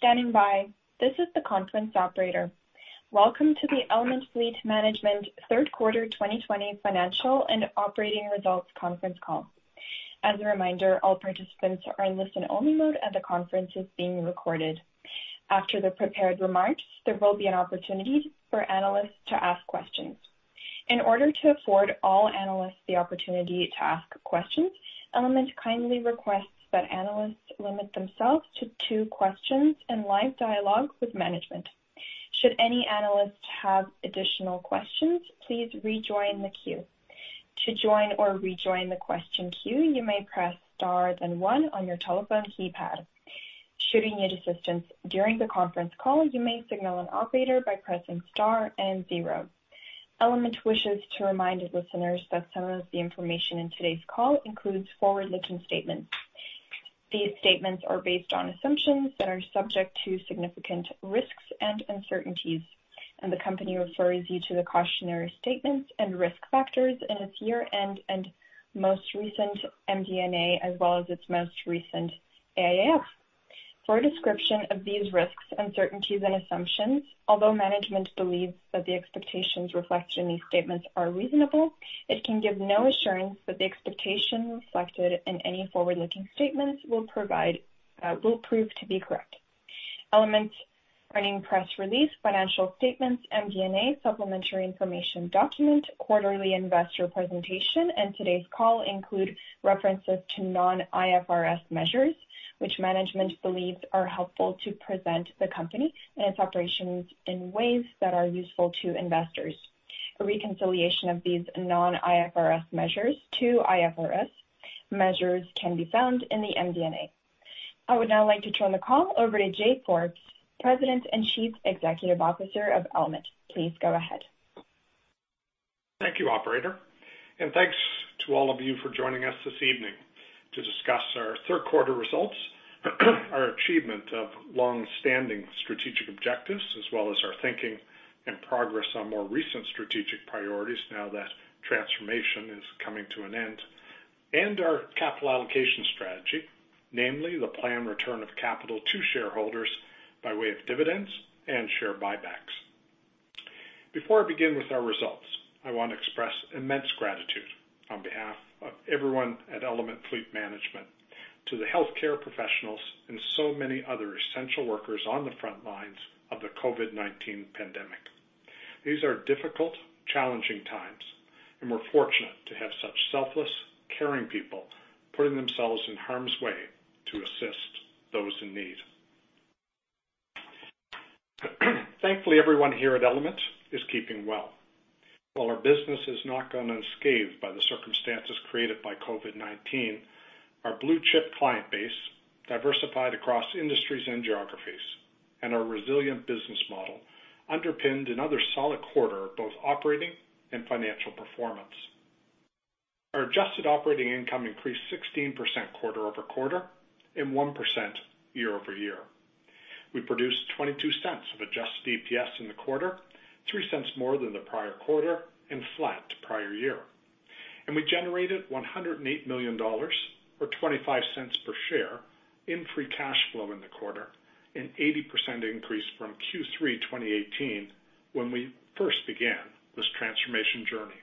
Thank you for standing by. This is the conference operator. Welcome to the Element Fleet Management third quarter 2020 financial and operating results conference call. As a reminder, all participants are in listen only mode, and the conference is being recorded. After the prepared remarks, there will be an opportunity for analysts to ask questions. In order to afford all analysts the opportunity to ask questions, Element kindly requests that analysts limit themselves to two questions and live dialogues with management. Should any analysts have additional questions, please rejoin the queue. To join or rejoin the question queue, you may press Star then one on your telephone keypad. Should you need assistance during the conference call, you may signal an operator by pressing Star and zero. Element wishes to remind listeners that some of the information in today's call includes forward-looking statements. These statements are based on assumptions that are subject to significant risks and uncertainties, and the company refers you to the cautionary statements and risk factors in its year end and most recent MD&A, as well as its most recent AIF. For a description of these risks, uncertainties and assumptions, although management believes that the expectations reflected in these statements are reasonable, it can give no assurance that the expectations reflected in any forward-looking statements will prove to be correct. Element's earnings press release, financial statements, MD&A, supplementary information document, quarterly investor presentation, and today's call include references to non-IFRS measures, which management believes are helpful to present the company and its operations in ways that are useful to investors. A reconciliation of these non-IFRS measures to IFRS measures can be found in the MD&A. I would now like to turn the call over to Jay Forbes, President and Chief Executive Officer of Element. Please go ahead. Thank you, Operator, and thanks to all of you for joining us this evening to discuss our third quarter results, our achievement of long-standing strategic objectives, as well as our thinking and progress on more recent strategic priorities now that transformation is coming to an end, and our capital allocation strategy, namely the planned return of capital to shareholders by way of dividends and share buybacks. Before I begin with our results, I want to express immense gratitude on behalf of everyone at Element Fleet Management to the healthcare professionals and so many other essential workers on the front lines of the COVID-19 pandemic. These are difficult, challenging times, and we're fortunate to have such selfless, caring people putting themselves in harm's way to assist those in need. Thankfully, everyone here at Element is keeping well. While our business has not gone unscathed by the circumstances created by COVID-19, our blue-chip client base diversified across industries and geographies, and our resilient business model underpinned another solid quarter of both operating and financial performance. Our adjusted operating income increased 16% quarter-over-quarter and 1% year-over-year. We produced $0.22 of Adjusted EPS in the quarter, $0.03 more than the prior quarter and flat prior year. We generated $108 million, or $0.25 per share in free cash flow in the quarter, an 80% increase from Q3 2018 when we first began this transformation journey.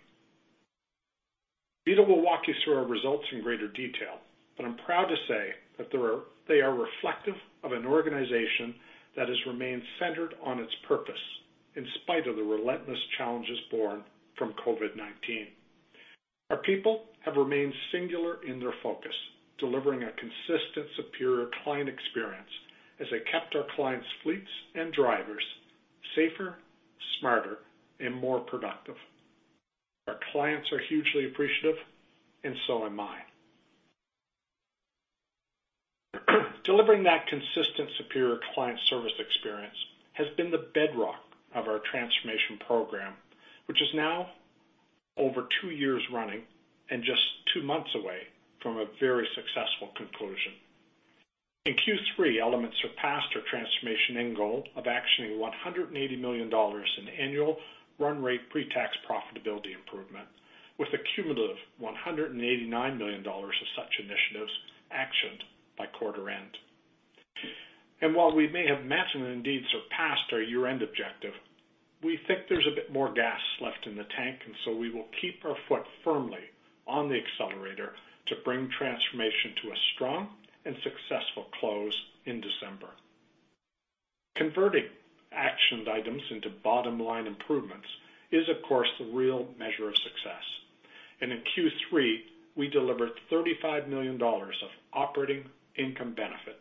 Vito will walk you through our results in greater detail, but I'm proud to say that they are reflective of an organization that has remained centered on its purpose in spite of the relentless challenges born from COVID-19. Our people have remained singular in their focus, delivering a consistent, superior client experience as they kept our clients' fleets and drivers safer, smarter, and more productive. Our clients are hugely appreciative, and so am I. Delivering that consistent, superior client service experience has been the bedrock of our transformation program, which is now over two years running and just two months away from a very successful conclusion. In Q3, Element surpassed our transformation end goal of actioning 180 million dollars in annual run rate pre-tax profitability improvement with a cumulative 189 million dollars of such initiatives actioned by quarter end. While we may have met and indeed surpassed our year-end objective, we think there's a bit more gas left in the tank, and so we will keep our foot firmly on the accelerator to bring transformation to a strong and successful close in December. Converting action items into bottom-line improvements is, of course, the real measure of success. In Q3, we delivered $35 million of operating income benefit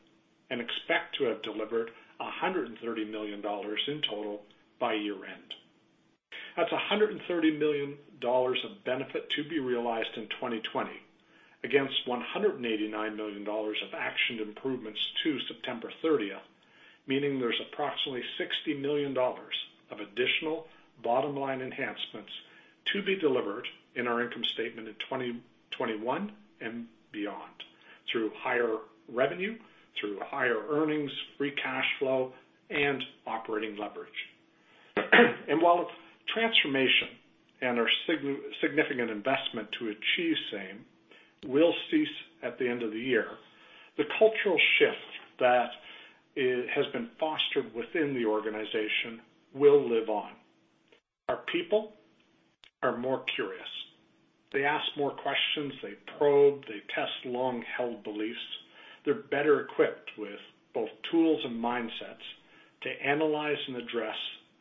and expect to have delivered $130 million in total by year-end. That's $130 million of benefit to be realized in 2020 against $189 million of actioned improvements to September 30th. Meaning there's approximately $60 million of additional bottom-line enhancements to be delivered in our income statement in 2021 and beyond through higher revenue, through higher earnings, free cash flow, and operating leverage. While transformation and our significant investment to achieve same will cease at the end of the year, the cultural shift that has been fostered within the organization will live on. Our people are more curious. They ask more questions, they probe, they test long-held beliefs. They're better equipped with both tools and mindsets to analyze and address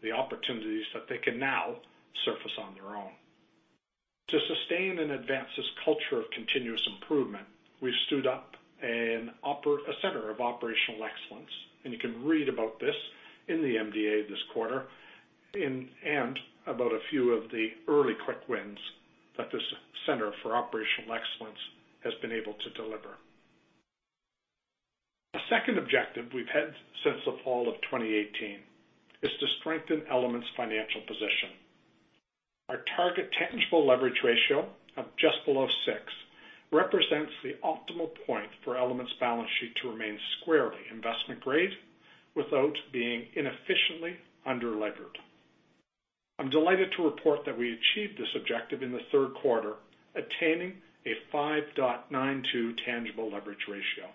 the opportunities that they can now surface on their own. To sustain and advance this culture of continuous improvement, we've stood up a Center of Operational Excellence, and you can read about this in the MD&A this quarter, and about a few of the early quick wins that this Center of Operational Excellence has been able to deliver. A second objective we've had since the fall of 2018 is to strengthen Element's financial position. Our target tangible leverage ratio of just below six represents the optimal point for Element's balance sheet to remain squarely investment grade without being inefficiently under-levered. I'm delighted to report that we achieved this objective in the Q3, attaining a 5.92 tangible leverage ratio.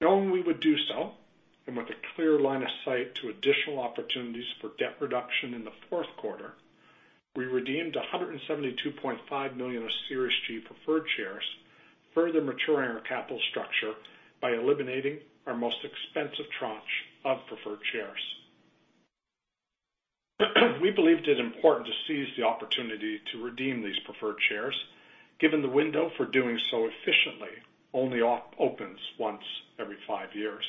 Knowing we would do so, and with a clear line of sight to additional opportunities for debt reduction in the fourth quarter, we redeemed 172.5 million of Series G preferred shares, further maturing our capital structure by eliminating our most expensive tranche of preferred shares. We believed it important to seize the opportunity to redeem these preferred shares, given the window for doing so efficiently only opens once every five years.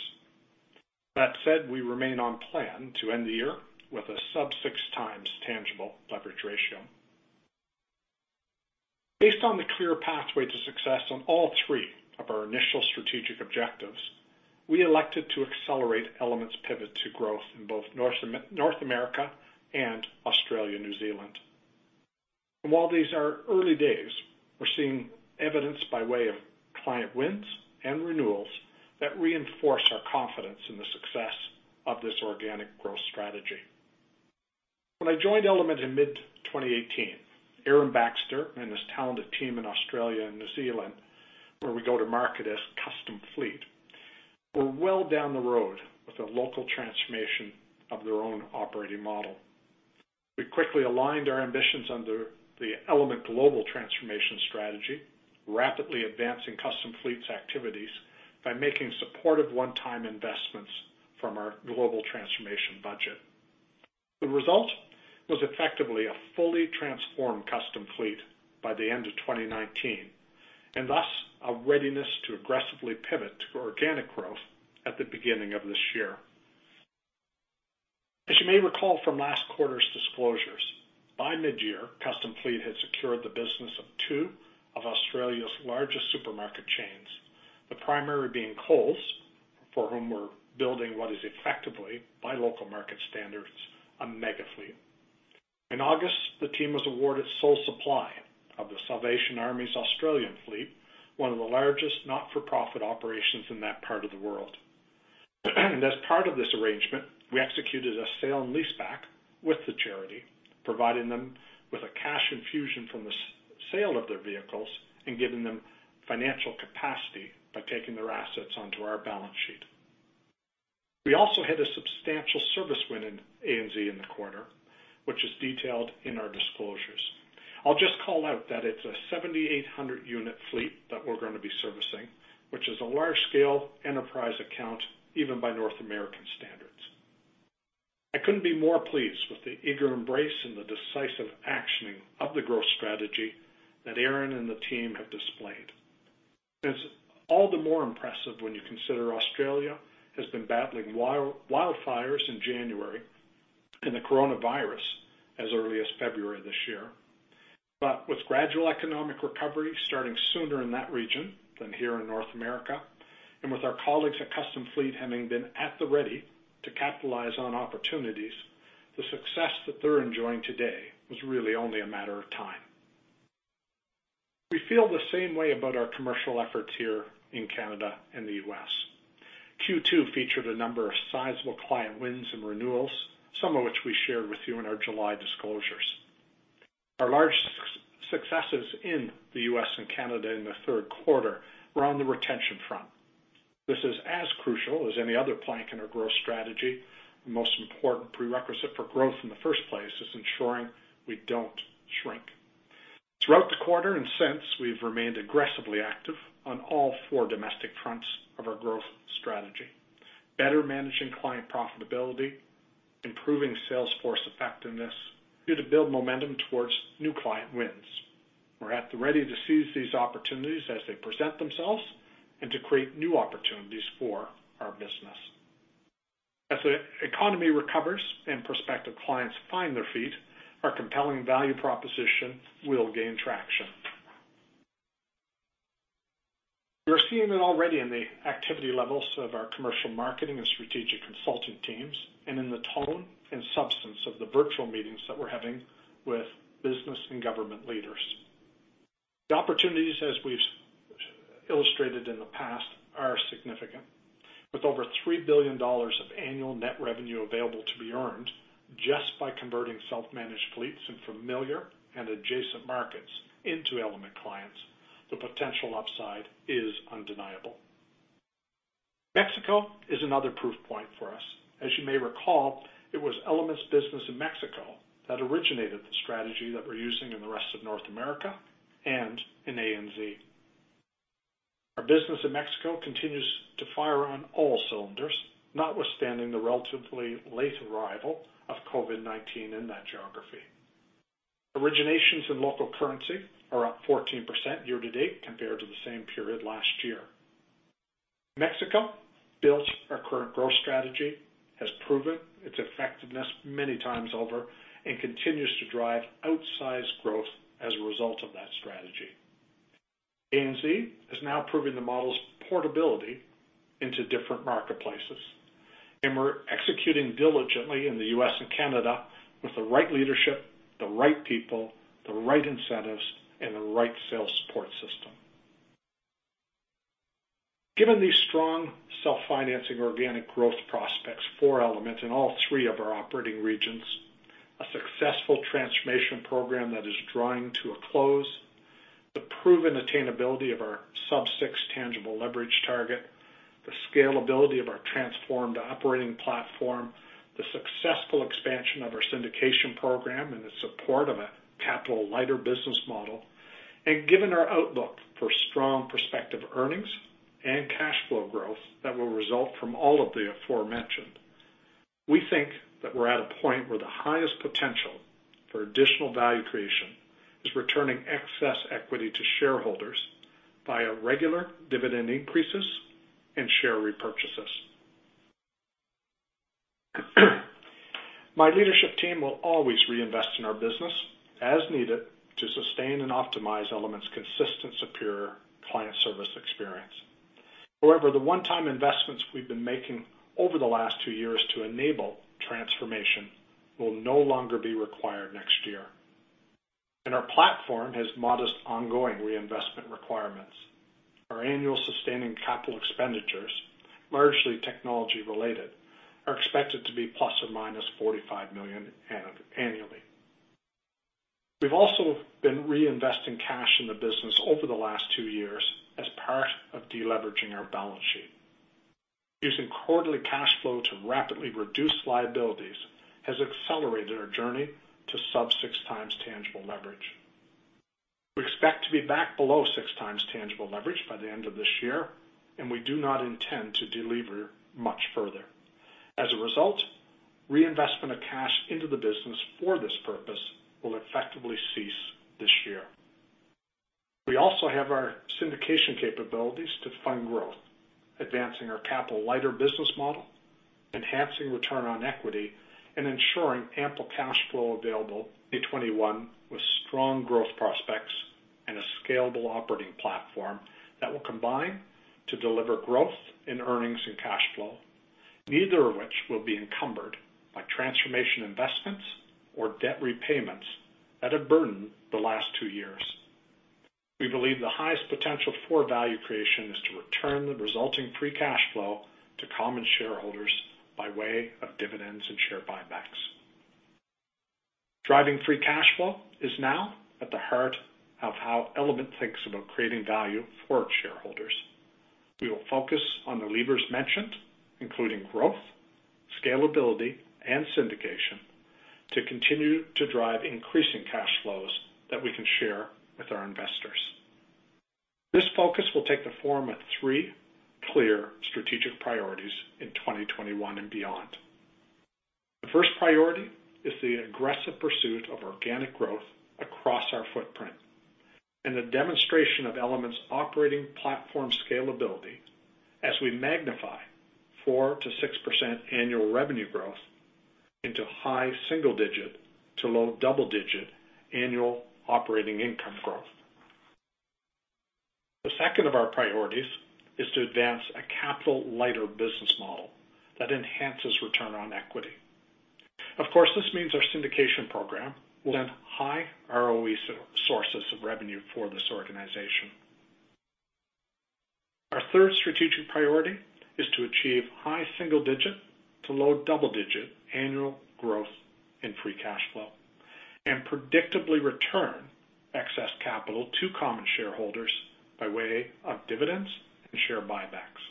That said, we remain on plan to end the year with a sub-6x tangible leverage ratio. Based on the clear pathway to success on all three of our initial strategic objectives, we elected to accelerate Element's pivot to growth in both North America and Australia, New Zealand. While these are early days, we're seeing evidence by way of client wins and renewals that reinforce our confidence in the success of this organic growth strategy. When I joined Element in mid-2018, Aaron Baxter and his talented team in Australia and New Zealand, where we go to market as Custom Fleet, were well down the road with a local transformation of their own operating model. We quickly aligned our ambitions under the Element global transformation strategy, rapidly advancing Custom Fleet's activities by making supportive one-time investments from our global transformation budget. The result was effectively a fully transformed Custom Fleet by the end of 2019, and thus, a readiness to aggressively pivot to organic growth at the beginning of this year. As you may recall from last quarter's disclosures, by mid-year, Custom Fleet had secured the business of two of Australia's largest supermarket chains, the primary being Coles, for whom we're building what is effectively, by local market standards, a mega fleet. In August, the team was awarded sole supply of The Salvation Army's Australian fleet, one of the largest not-for-profit operations in that part of the world. As part of this arrangement, we executed a sale and leaseback with the charity, providing them with a cash infusion from the sale of their vehicles and giving them financial capacity by taking their assets onto our balance sheet. We also had a substantial service win in ANZ in the quarter, which is detailed in our disclosures. I'll just call out that it's a 7,800-unit fleet that we're gonna be servicing, which is a large-scale enterprise account, even by North American standards. I couldn't be more pleased with the eager embrace and the decisive actioning of the growth strategy that Aaron and the team have displayed. It's all the more impressive when you consider Australia has been battling wildfires in January and the coronavirus as early as February this year. With gradual economic recovery starting sooner in that region than here in North America, and with our colleagues at Custom Fleet having been at the ready to capitalize on opportunities, the success that they're enjoying today was really only a matter of time. We feel the same way about our commercial efforts here in Canada and the U.S. Q2 featured a number of sizable client wins and renewals, some of which we shared with you in our July disclosures. Our largest successes in the U.S. and Canada in the third quarter were on the retention front. This is as crucial as any other plank in our growth strategy. The most important prerequisite for growth in the first place is ensuring we don't shrink. Throughout the quarter, and since, we've remained aggressively active on all four domestic fronts of our growth strategy: better managing client profitability, improving sales force effectiveness, and to build momentum towards new client wins. We're at the ready to seize these opportunities as they present themselves and to create new opportunities for our business. As the economy recovers and prospective clients find their feet, our compelling value proposition will gain traction. We're seeing it already in the activity levels of our commercial marketing and strategic consulting teams, and in the tone and substance of the virtual meetings that we're having with business and government leaders. The opportunities, as we've illustrated in the past, are significant. With over 3 billion dollars of annual net revenue available to be earned just by converting self-managed fleets in familiar and adjacent markets into Element clients, the potential upside is undeniable. Mexico is another proof point for us. As you may recall, it was Element's business in Mexico that originated the strategy that we're using in the rest of North America and in ANZ. Our business in Mexico continues to fire on all cylinders, notwithstanding the relatively late arrival of COVID-19 in that geography. Originations in local currency are up 14% year-to-date compared to the same period last year. Mexico, built on our current growth strategy, has proven its effectiveness many times over, and continues to drive outsized growth as a result of that strategy. ANZ has now proven the model's portability into different marketplaces, and we're executing diligently in the U.S. and Canada with the right leadership, the right people, the right incentives, and the right sales support system. Given these strong self-financing organic growth prospects for Element in all three of our operating regions, a successful transformation program that is drawing to a close, the proven attainability of our sub six tangible leverage target, the scalability of our transformed operating platform, the successful expansion of our syndication program in the support of a capital-lighter business model, and given our outlook for strong prospective earnings and cash flow growth that will result from all of the aforementioned, we think that we're at a point where the highest potential for additional value creation is returning excess equity to shareholders via regular dividend increases and share repurchases. My leadership team will always reinvest in our business as needed to sustain and optimize Element's consistent, superior client service experience. However, the one-time investments we've been making over the last two years to enable transformation will no longer be required next year. Our platform has modest ongoing reinvestment requirements. Our annual sustaining capital expenditures, largely technology-related, are expected to be ±45 million annually. We've also been reinvesting cash in the business over the last two years as part of deleveraging our balance sheet. Using quarterly cash flow to rapidly reduce liabilities has accelerated our journey to sub-6x tangible leverage. We expect to be back below 6x tangible leverage by the end of this year, and we do not intend to delever much further. As a result, reinvestment of cash into the business for this purpose will effectively cease this year. We also have our syndication capabilities to fund growth, advancing our capital lighter business model, enhancing return on equity, and ensuring ample cash flow available in 2021 with strong growth prospects and a scalable operating platform that will combine to deliver growth in earnings and cash flow, neither of which will be encumbered by transformation investments or debt repayments that have burdened the last two years. We believe the highest potential for value creation is to return the resulting free cash flow to common shareholders by way of dividends and share buybacks. Driving free cash flow is now at the heart of how Element thinks about creating value for its shareholders. We will focus on the levers mentioned, including growth, scalability, and syndication, to continue to drive increasing cash flows that we can share with our investors. This focus will take the form of three clear strategic priorities in 2021 and beyond. The first priority is the aggressive pursuit of organic growth across our footprint and the demonstration of Element's operating platform scalability as we magnify 4%-6% annual revenue growth into high single-digit to low double-digit annual operating income growth. The second of our priorities is to advance a capital-lighter business model that enhances return on equity. Of course, this means our syndication program will have high ROE sources of revenue for this organization. Our third strategic priority is to achieve high single-digit to low double-digit annual growth in free cash flow and predictably return excess capital to common shareholders by way of dividends and share buybacks.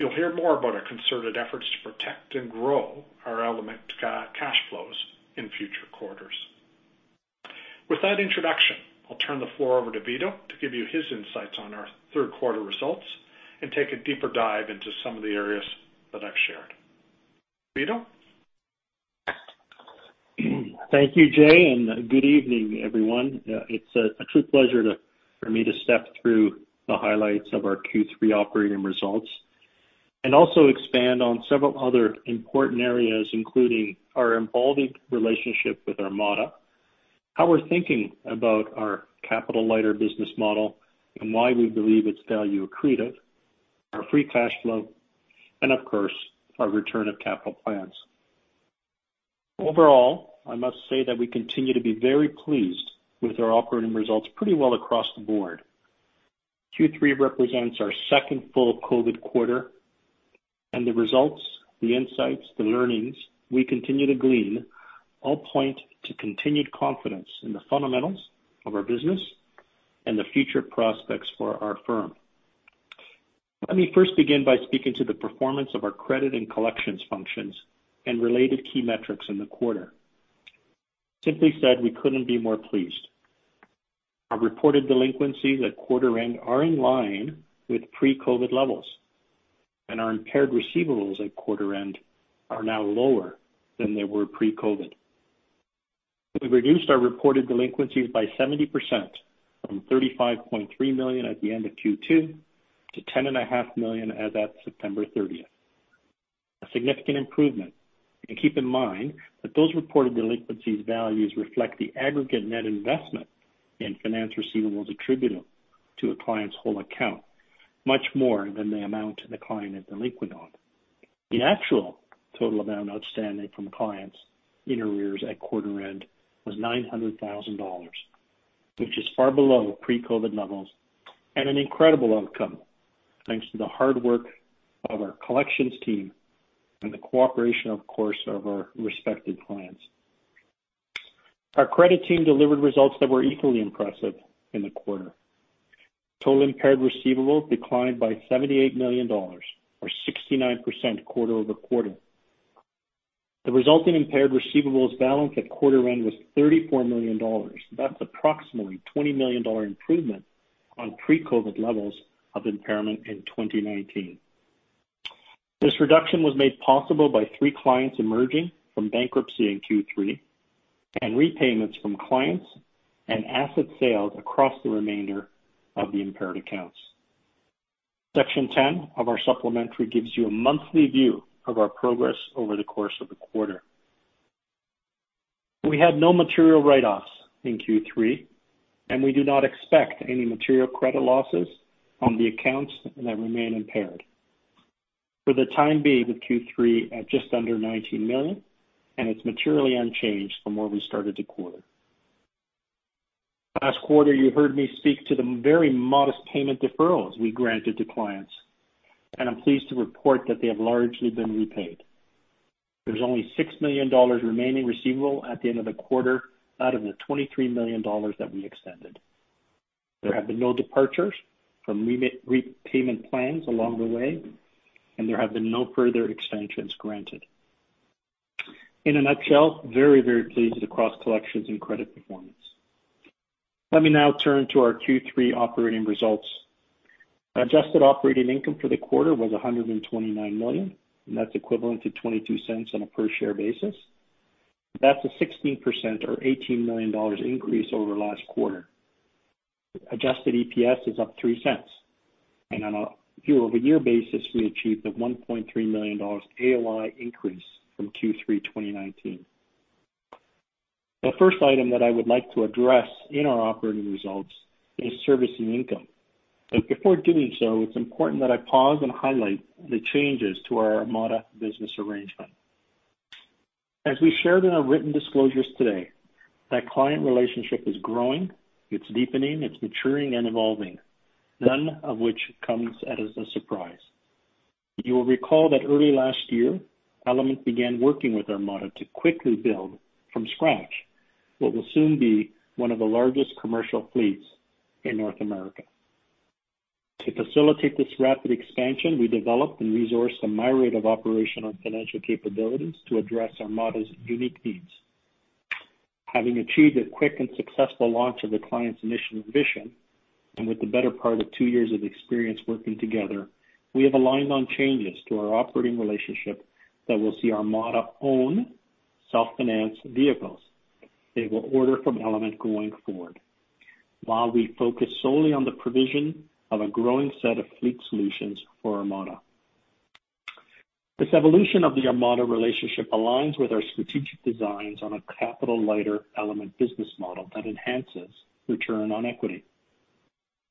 You'll hear more about our concerted efforts to protect and grow our Element cash flows in future quarters. With that introduction, I'll turn the floor over to Vito to give you his insights on our third quarter results and take a deeper dive into some of the areas that I've shared. Vito? Thank you, Jay, and good evening, everyone. It's a true pleasure for me to step through the highlights of our Q3 operating results and also expand on several other important areas, including our evolving relationship with Armada, how we're thinking about our capital-lighter business model and why we believe it's value accretive, our free cash flow, and of course, our return of capital plans. Overall, I must say that we continue to be very pleased with our operating results pretty well across the board. Q3 represents our second full COVID quarter, and the results, the insights, the learnings we continue to glean all point to continued confidence in the fundamentals of our business and the future prospects for our firm. Let me first begin by speaking to the performance of our credit and collections functions and related key metrics in the quarter. Simply said, we couldn't be more pleased. Our reported delinquencies at quarter end are in line with pre-COVID levels, and our impaired receivables at quarter end are now lower than they were pre-COVID. We reduced our reported delinquencies by 70% from 35.3 million at the end of Q2 to 10.5 million as at September 30th. A significant improvement. Keep in mind that those reported delinquencies values reflect the aggregate net investment in finance receivables attributable to a client's whole account, much more than the amount the client is delinquent on. The actual total amount outstanding from clients in arrears at quarter end was 900,000 dollars, which is far below pre-COVID levels and an incredible outcome, thanks to the hard work of our collections team and the cooperation, of course, of our respected clients. Our credit team delivered results that were equally impressive in the quarter. Total impaired receivables declined by $78 million, or 69% quarter-over-quarter. The resulting impaired receivables balance at quarter end was $34 million. That's approximately $20 million-dollar improvement on pre-COVID levels of impairment in 2019. This reduction was made possible by three clients emerging from bankruptcy in Q3, and repayments from clients and asset sales across the remainder of the impaired accounts. Section 10 of our supplementary gives you a monthly view of our progress over the course of the quarter. We had no material write-offs in Q3, and we do not expect any material credit losses on the accounts that remain impaired. For the time being with Q3 at just under $19 million, and it's materially unchanged from where we started the quarter. Last quarter, you heard me speak to the very modest payment deferrals we granted to clients, and I'm pleased to report that they have largely been repaid. There's only 6 million dollars remaining receivable at the end of the quarter out of the 23 million dollars that we extended. There have been no departures from repayment plans along the way, and there have been no further extensions granted. In a nutshell, very, very pleased across collections and credit performance. Let me now turn to our Q3 operating results. Adjusted Operating Income for the quarter was 129 million, and that's equivalent to 0.22 on a per share basis. That's a 16% or 18 million dollars increase over last quarter. Adjusted EPS is up 0.03. On a year-over-year basis, we achieved a 1.3 million dollars AOI increase from Q3 2019. The first item that I would like to address in our operating results is servicing income. Before doing so, it's important that I pause and highlight the changes to our Armada business arrangement. As we shared in our written disclosures today, that client relationship is growing, it's deepening, it's maturing and evolving, none of which comes at us a surprise. You will recall that early last year, Element began working with Armada to quickly build from scratch what will soon be one of the largest commercial fleets in North America. To facilitate this rapid expansion, we developed and resourced a myriad of operational and financial capabilities to address Armada's unique needs. Having achieved a quick and successful launch of the client's initial ambition, and with the better part of two years of experience working together, we have aligned on changes to our operating relationship that will see Armada own self-finance vehicles. They will order from Element going forward while we focus solely on the provision of a growing set of fleet solutions for Armada. This evolution of the Armada relationship aligns with our strategic designs on a capital-lighter Element business model that enhances return on equity.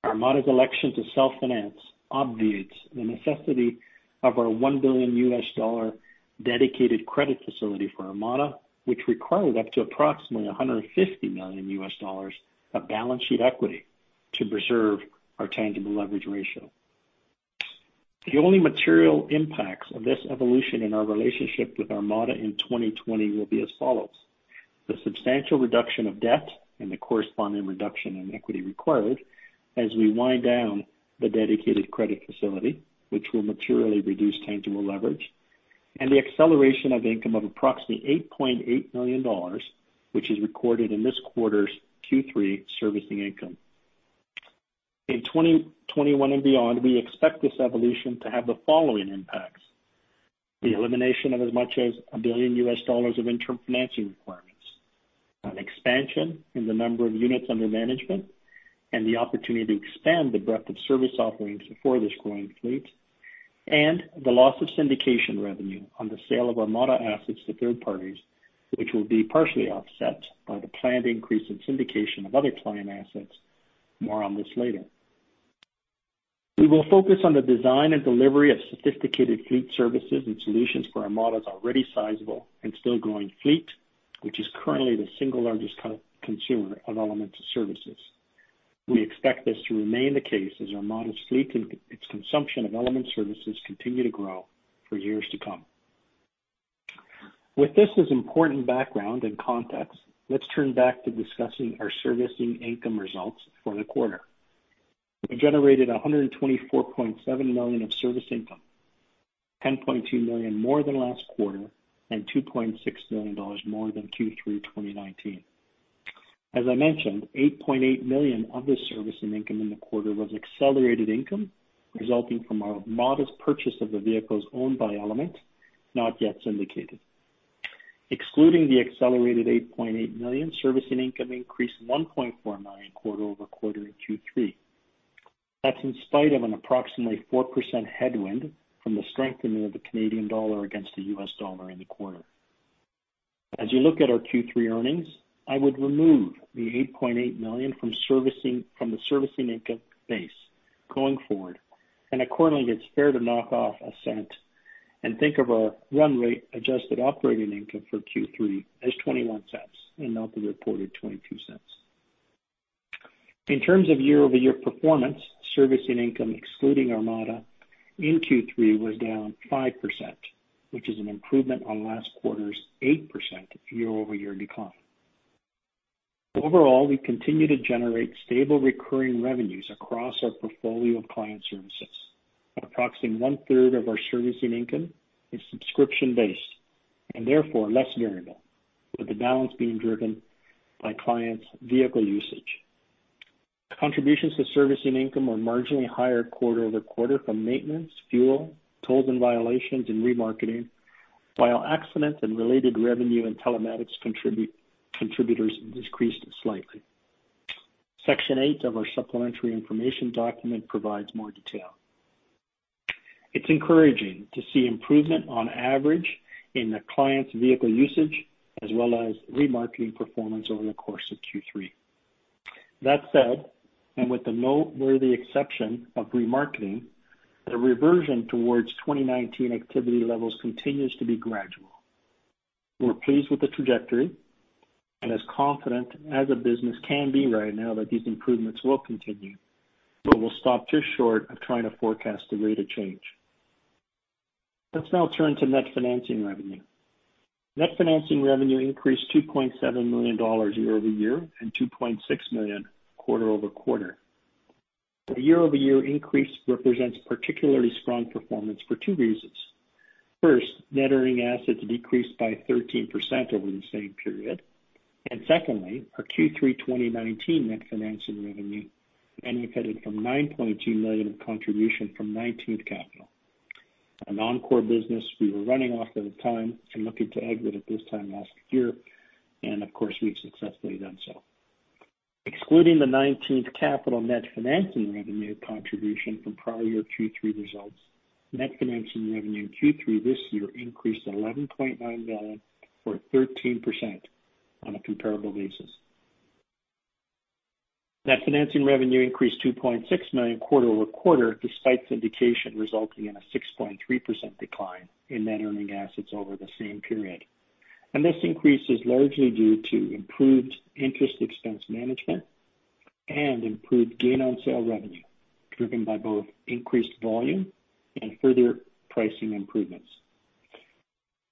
Armada's election to self-finance obviates the necessity of our $1 billion dedicated credit facility for Armada, which required up to approximately $150 million of balance sheet equity to preserve our tangible leverage ratio. The only material impacts of this evolution in our relationship with Armada in 2020 will be as follows: The substantial reduction of debt and the corresponding reduction in equity required as we wind down the dedicated credit facility, which will materially reduce tangible leverage. The acceleration of income of approximately $8.8 million, which is recorded in this quarter's Q3 servicing income. In 2021 and beyond, we expect this evolution to have the following impacts. The elimination of as much as $1 billion of interim financing requirements, an expansion in the number of units under management, and the opportunity to expand the breadth of service offerings for this growing fleet, and the loss of syndication revenue on the sale of Armada assets to third parties, which will be partially offset by the planned increase in syndication of other client assets. More on this later. We will focus on the design and delivery of sophisticated fleet services and solutions for Armada's already sizable and still growing fleet, which is currently the single largest co-consumer of Element services. We expect this to remain the case as Armada's fleet and its consumption of Element services continue to grow for years to come. With this as important background and context, let's turn back to discussing our servicing income results for the quarter. We generated 124.7 million of service income, 10.2 million more than last quarter and 2.6 million dollars more than Q3 2019. As I mentioned, 8.8 million of the servicing income in the quarter was accelerated income resulting from our modest purchase of the vehicles owned by Element, not yet syndicated. Excluding the accelerated 8.8 million, servicing income increased 1.4 million quarter-over-quarter in Q3. That's in spite of an approximately 4% headwind from the strengthening of the Canadian dollar against the U.S. dollar in the quarter. As you look at our Q3 earnings, I would remove the 8.8 million from the servicing income base going forward, and accordingly, it's fair to knock off CAD 0.01 and think of our run-rate Adjusted Operating Income for Q3 as 0.21 and not the reported 0.22. In terms of year-over-year performance, servicing income excluding Armada in Q3 was down 5%, which is an improvement on last quarter's 8% year-over-year decline. Overall, we continue to generate stable recurring revenues across our portfolio of client services. Approximately one-third of our servicing income is subscription-based and therefore less variable, with the balance being driven by clients' vehicle usage. Contributions to servicing income are marginally higher quarter over quarter from maintenance, fuel, tolls and violations, and remarketing, while accident and related revenue and telematics contributors decreased slightly. Section eight of our supplementary information document provides more detail. It's encouraging to see improvement on average in the client's vehicle usage as well as remarketing performance over the course of Q3. That said, with the noteworthy exception of remarketing, the reversion towards 2019 activity levels continues to be gradual. We're pleased with the trajectory and as confident as a business can be right now that these improvements will continue, but we'll stop just short of trying to forecast the rate of change. Let's now turn to net financing revenue. Net financing revenue increased $2.7 million year-over-year and $2.6 million quarter-over-quarter. The year-over-year increase represents particularly strong performance for two reasons. First, net earning assets decreased by 13% over the same period. Secondly, our Q3 2019 net financing revenue benefited from $9.2 million of contribution from 19th Capital, a non-core business we were running off at the time and looking to exit at this time last year, and of course, we've successfully done so. Excluding the 19th Capital net financing revenue contribution from prior year Q3 results, net financing revenue in Q3 this year increased $11.9 million or 13% on a comparable basis. Net financing revenue increased $2.6 million quarter-over-quarter despite syndication resulting in a 6.3% decline in net earning assets over the same period. This increase is largely due to improved interest expense management and improved gain on sale revenue, driven by both increased volume and further pricing improvements.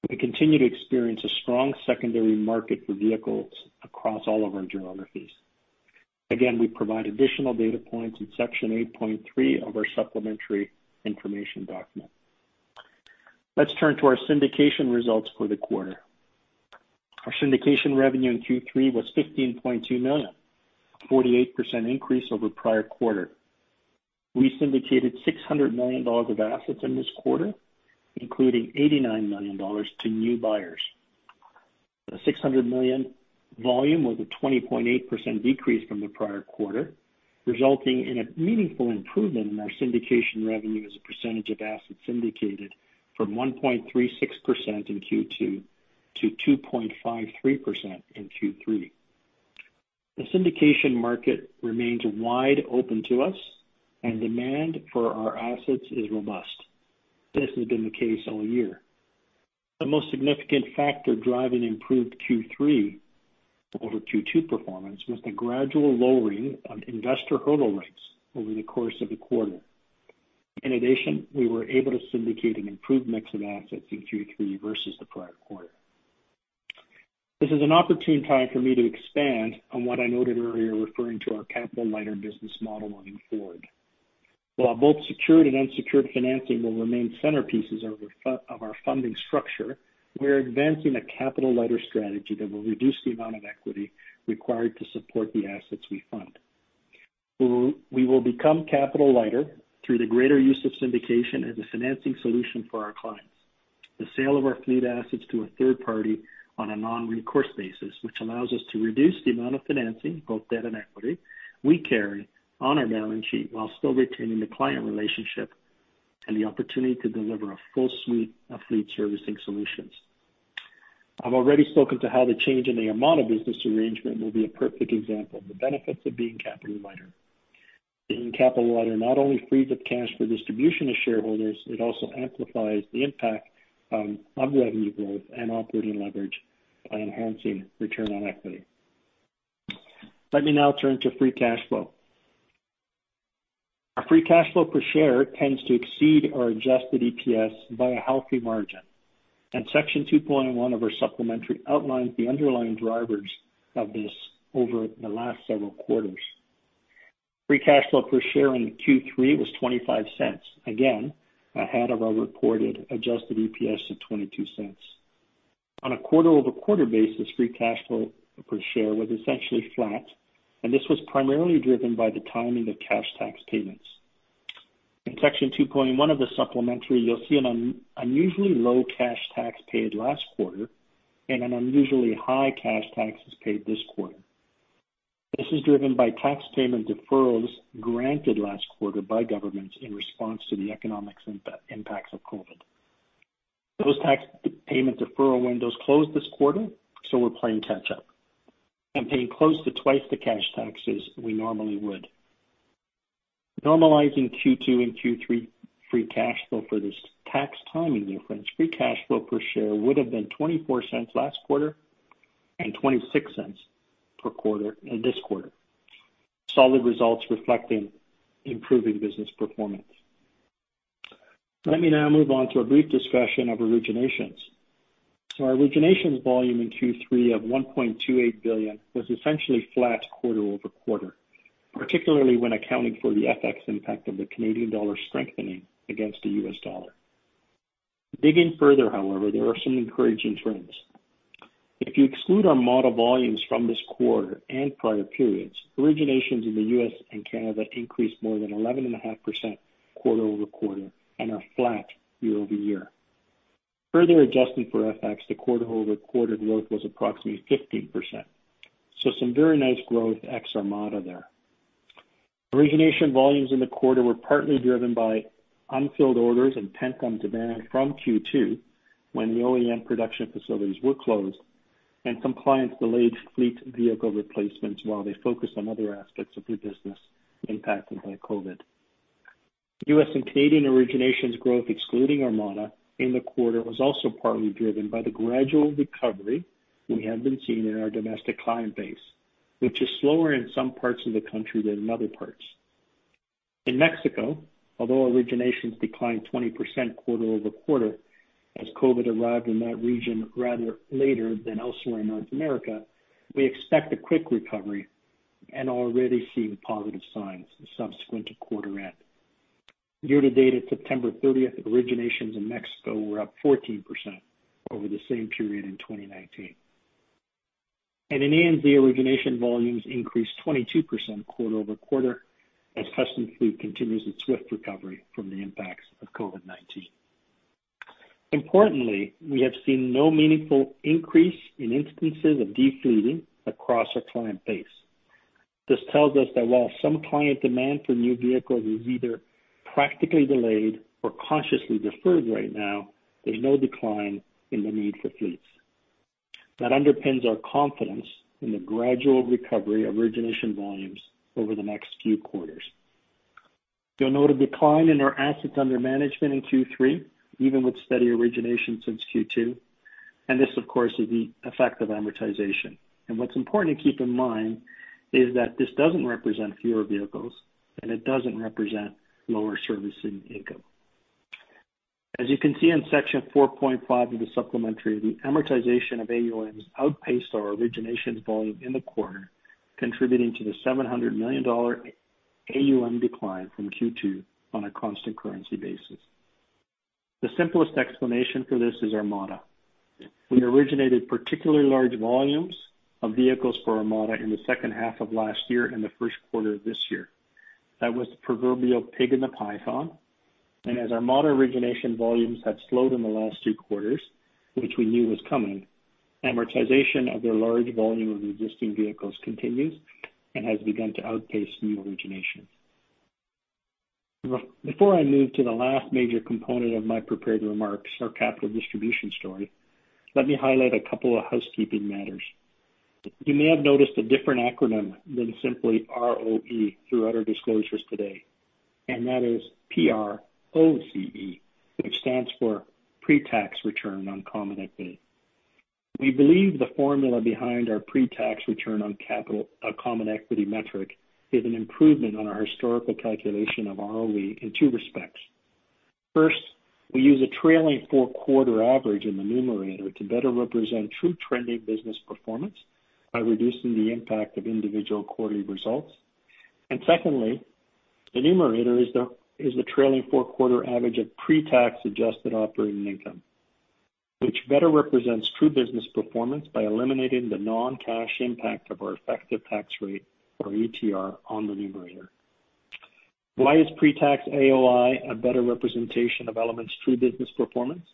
We continue to experience a strong secondary market for vehicles across all of our geographies. Again, we provide additional data points in section 8.3 of our supplementary information document. Let's turn to our syndication results for the quarter. Our syndication revenue in Q3 was $15.2 million, a 48% increase over prior quarter. We syndicated $600 million of assets in this quarter, including $89 million to new buyers. The $600 million volume was a 20.8% decrease from the prior quarter, resulting in a meaningful improvement in our syndication revenue as a percentage of assets syndicated from 1.36% in Q2 to 2.53% in Q3. The syndication market remains wide open to us and demand for our assets is robust. This has been the case all year. The most significant factor driving improved Q3 over Q2 performance was the gradual lowering of investor hurdle rates over the course of the quarter. In addition, we were able to syndicate an improved mix of assets in Q3 versus the prior quarter. This is an opportune time for me to expand on what I noted earlier, referring to our capital-lighter business model moving forward. While both secured and unsecured financing will remain centerpieces of our funding structure, we are advancing a capital-lighter strategy that will reduce the amount of equity required to support the assets we fund. We will become capital lighter through the greater use of syndication as a financing solution for our clients. The sale of our fleet assets to a third party on a non-recourse basis, which allows us to reduce the amount of financing, both debt and equity, we carry on our balance sheet while still retaining the client relationship and the opportunity to deliver a full suite of fleet servicing solutions. I've already spoken to how the change in the Armada business arrangement will be a perfect example of the benefits of being capital lighter. Being capital lighter not only frees up cash for distribution to shareholders, it also amplifies the impact of revenue growth and operating leverage by enhancing return on equity. Let me now turn to free cash flow. Our free cash flow per share tends to exceed our Adjusted EPS by a healthy margin, and Section 2.1 of our supplementary outlines the underlying drivers of this over the last several quarters. Free cash flow per share in Q3 was 0.25, again, ahead of our reported Adjusted EPS of 0.22. On a quarter-over-quarter basis, free cash flow per share was essentially flat, and this was primarily driven by the timing of cash tax payments. In Section 2.1 of the supplementary, you'll see an unusually low cash tax paid last quarter and an unusually high cash taxes paid this quarter. This is driven by tax payment deferrals granted last quarter by governments in response to the economic impacts of COVID. Those tax payment deferral windows closed this quarter, so we're playing catch up and paying close to twice the cash taxes we normally would. Normalizing Q2 and Q3 free cash flow for this tax timing difference, free cash flow per share would have been 0.24 last quarter and 0.26 per quarter this quarter. Solid results reflecting improving business performance. Let me now move on to a brief discussion of originations. Our originations volume in Q3 of 1.28 billion was essentially flat quarter-over-quarter, particularly when accounting for the FX impact of the Canadian dollar strengthening against the U.S. dollar. Digging further, however, there are some encouraging trends. If you exclude our model volumes from this quarter and prior periods, originations in the U.S. and Canada increased more than 11.5% quarter-over-quarter and are flat year-over-year. Further adjusted for FX, the quarter-over-quarter growth was approximately 15%. Some very nice growth ex Armada there. Origination volumes in the quarter were partly driven by unfilled orders and pent-up demand from Q2, when the OEM production facilities were closed and some clients delayed fleet vehicle replacements while they focused on other aspects of their business impacted by COVID. U.S. and Canadian originations growth, excluding Armada in the quarter, was also partly driven by the gradual recovery we have been seeing in our domestic client base, which is slower in some parts of the country than in other parts. In Mexico, although originations declined 20% quarter-over-quarter as COVID arrived in that region rather later than elsewhere in North America, we expect a quick recovery and already seeing positive signs subsequent to quarter end. Year to date at September 30th, originations in Mexico were up 14% over the same period in 2019. In ANZ, origination volumes increased 22% quarter-over-quarter as Custom Fleet continues its swift recovery from the impacts of COVID-19. Importantly, we have seen no meaningful increase in instances of de-fleeting across our client base. This tells us that while some client demand for new vehicles is either practically delayed or consciously deferred right now, there's no decline in the need for fleets. That underpins our confidence in the gradual recovery of origination volumes over the next few quarters. You'll note a decline in our assets under management in Q3, even with steady origination since Q2, and this, of course, is the effect of amortization. What's important to keep in mind is that this doesn't represent fewer vehicles, and it doesn't represent lower servicing income. As you can see in Section 4.5 of the supplementary, the amortization of AUMs outpaced our originations volume in the quarter, contributing to the 700 million dollar AUM decline from Q2 on a constant currency basis. The simplest explanation for this is Armada. We originated particularly large volumes of vehicles for Armada in the second half of last year and the first quarter of this year. That was the proverbial pig in the python, and as our modern origination volumes have slowed in the last two quarters, which we knew was coming, amortization of their large volume of existing vehicles continues and has begun to outpace new origination. Before I move to the last major component of my prepared remarks, our capital distribution story, let me highlight a couple of housekeeping matters. You may have noticed a different acronym than simply ROE throughout our disclosures today, and that is PROCE, which stands for Pretax Return on Common Equity. We believe the formula behind our pretax return on capital, common equity metric is an improvement on our historical calculation of ROE in two respects. First, we use a trailing four-quarter average in the numerator to better represent true trending business performance by reducing the impact of individual quarterly results. Secondly, the numerator is the trailing four-quarter average of pretax adjusted operating income, which better represents true business performance by eliminating the non-cash impact of our effective tax rate, or ETR, on the numerator. Why is pretax AOI a better representation of Element's true business performance?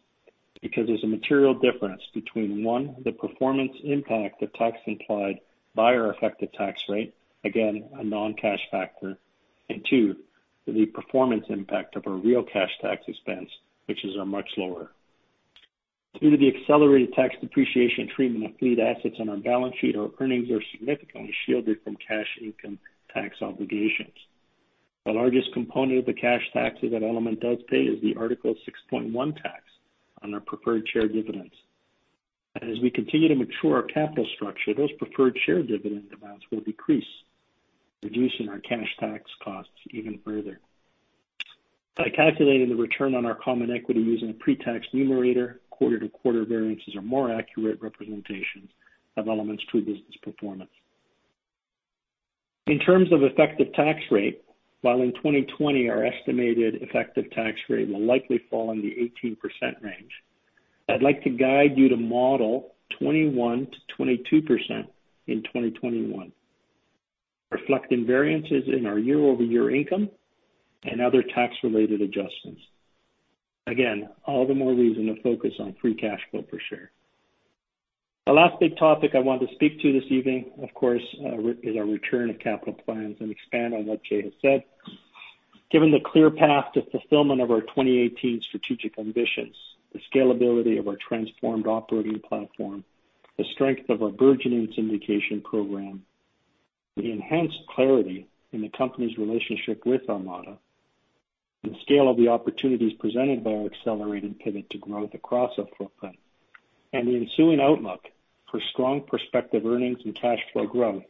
Because there's a material difference between, one, the performance impact of tax implied by our effective tax rate, again, a non-cash factor. Two. The performance impact of our real cash tax expense, which is much lower. Due to the accelerated tax depreciation treatment of fleet assets on our balance sheet, our earnings are significantly shielded from cash income tax obligations. The largest component of the cash taxes that Element does pay is the Article 6.1 tax on our preferred share dividends. As we continue to mature our capital structure, those preferred share dividend amounts will decrease, reducing our cash tax costs even further. By calculating the return on our common equity using a pre-tax numerator, quarter-to-quarter variances are more accurate representations of Element's true business performance. In terms of effective tax rate, while in 2020 our estimated effective tax rate will likely fall in the 18% range, I'd like to guide you to model 21%-22% in 2021, reflecting variances in our year-over-year income and other tax-related adjustments. Again, all the more reason to focus on Free Cash Flow per share. The last big topic I want to speak to this evening, of course, is our return of capital plans and expand on what Jay has said. Given the clear path to fulfillment of our 2018 strategic ambitions, the scalability of our transformed operating platform, the strength of our burgeoning syndication program, the enhanced clarity in the company's relationship with Armada, the scale of the opportunities presented by our accelerated pivot to growth across our footprint, and the ensuing outlook for strong prospective earnings and cash flow growth,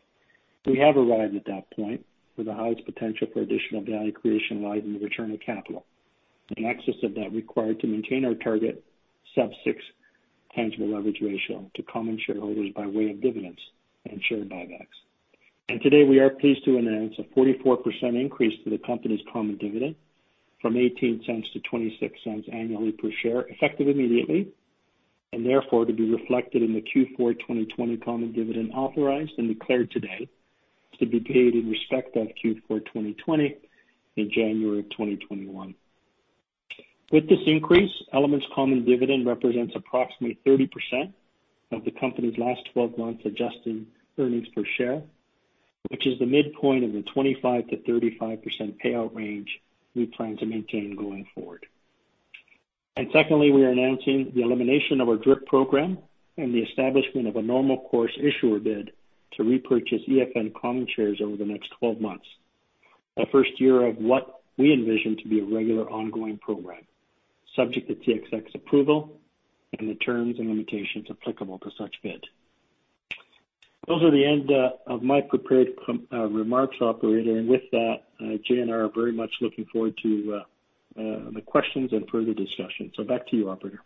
we have arrived at that point where the highest potential for additional value creation lies in the return of capital in excess of that required to maintain our target sub-6 tangible leverage ratio to common shareholders by way of dividends and share buybacks. Today, we are pleased to announce a 44% increase to the company's common dividend from 0.18 to 0.26 annually per share, effective immediately, and therefore, to be reflected in the Q4 2020 common dividend authorized and declared today to be paid in respect of Q4 2020 in January 2021. With this increase, Element's common dividend represents approximately 30% of the company's last 12 months adjusted earnings per share, which is the midpoint of the 25%-35% payout range we plan to maintain going forward. Secondly, we are announcing the elimination of our DRIP program and the establishment of a normal course issuer bid to repurchase EFN common shares over the next 12 months. The first year of what we envision to be a regular ongoing program, subject to TSX approval and the terms and limitations applicable to such bid. That is the end of my prepared remarks, operator. With that, Jay and I are very much looking forward to the questions and further discussion. Back to you, operator.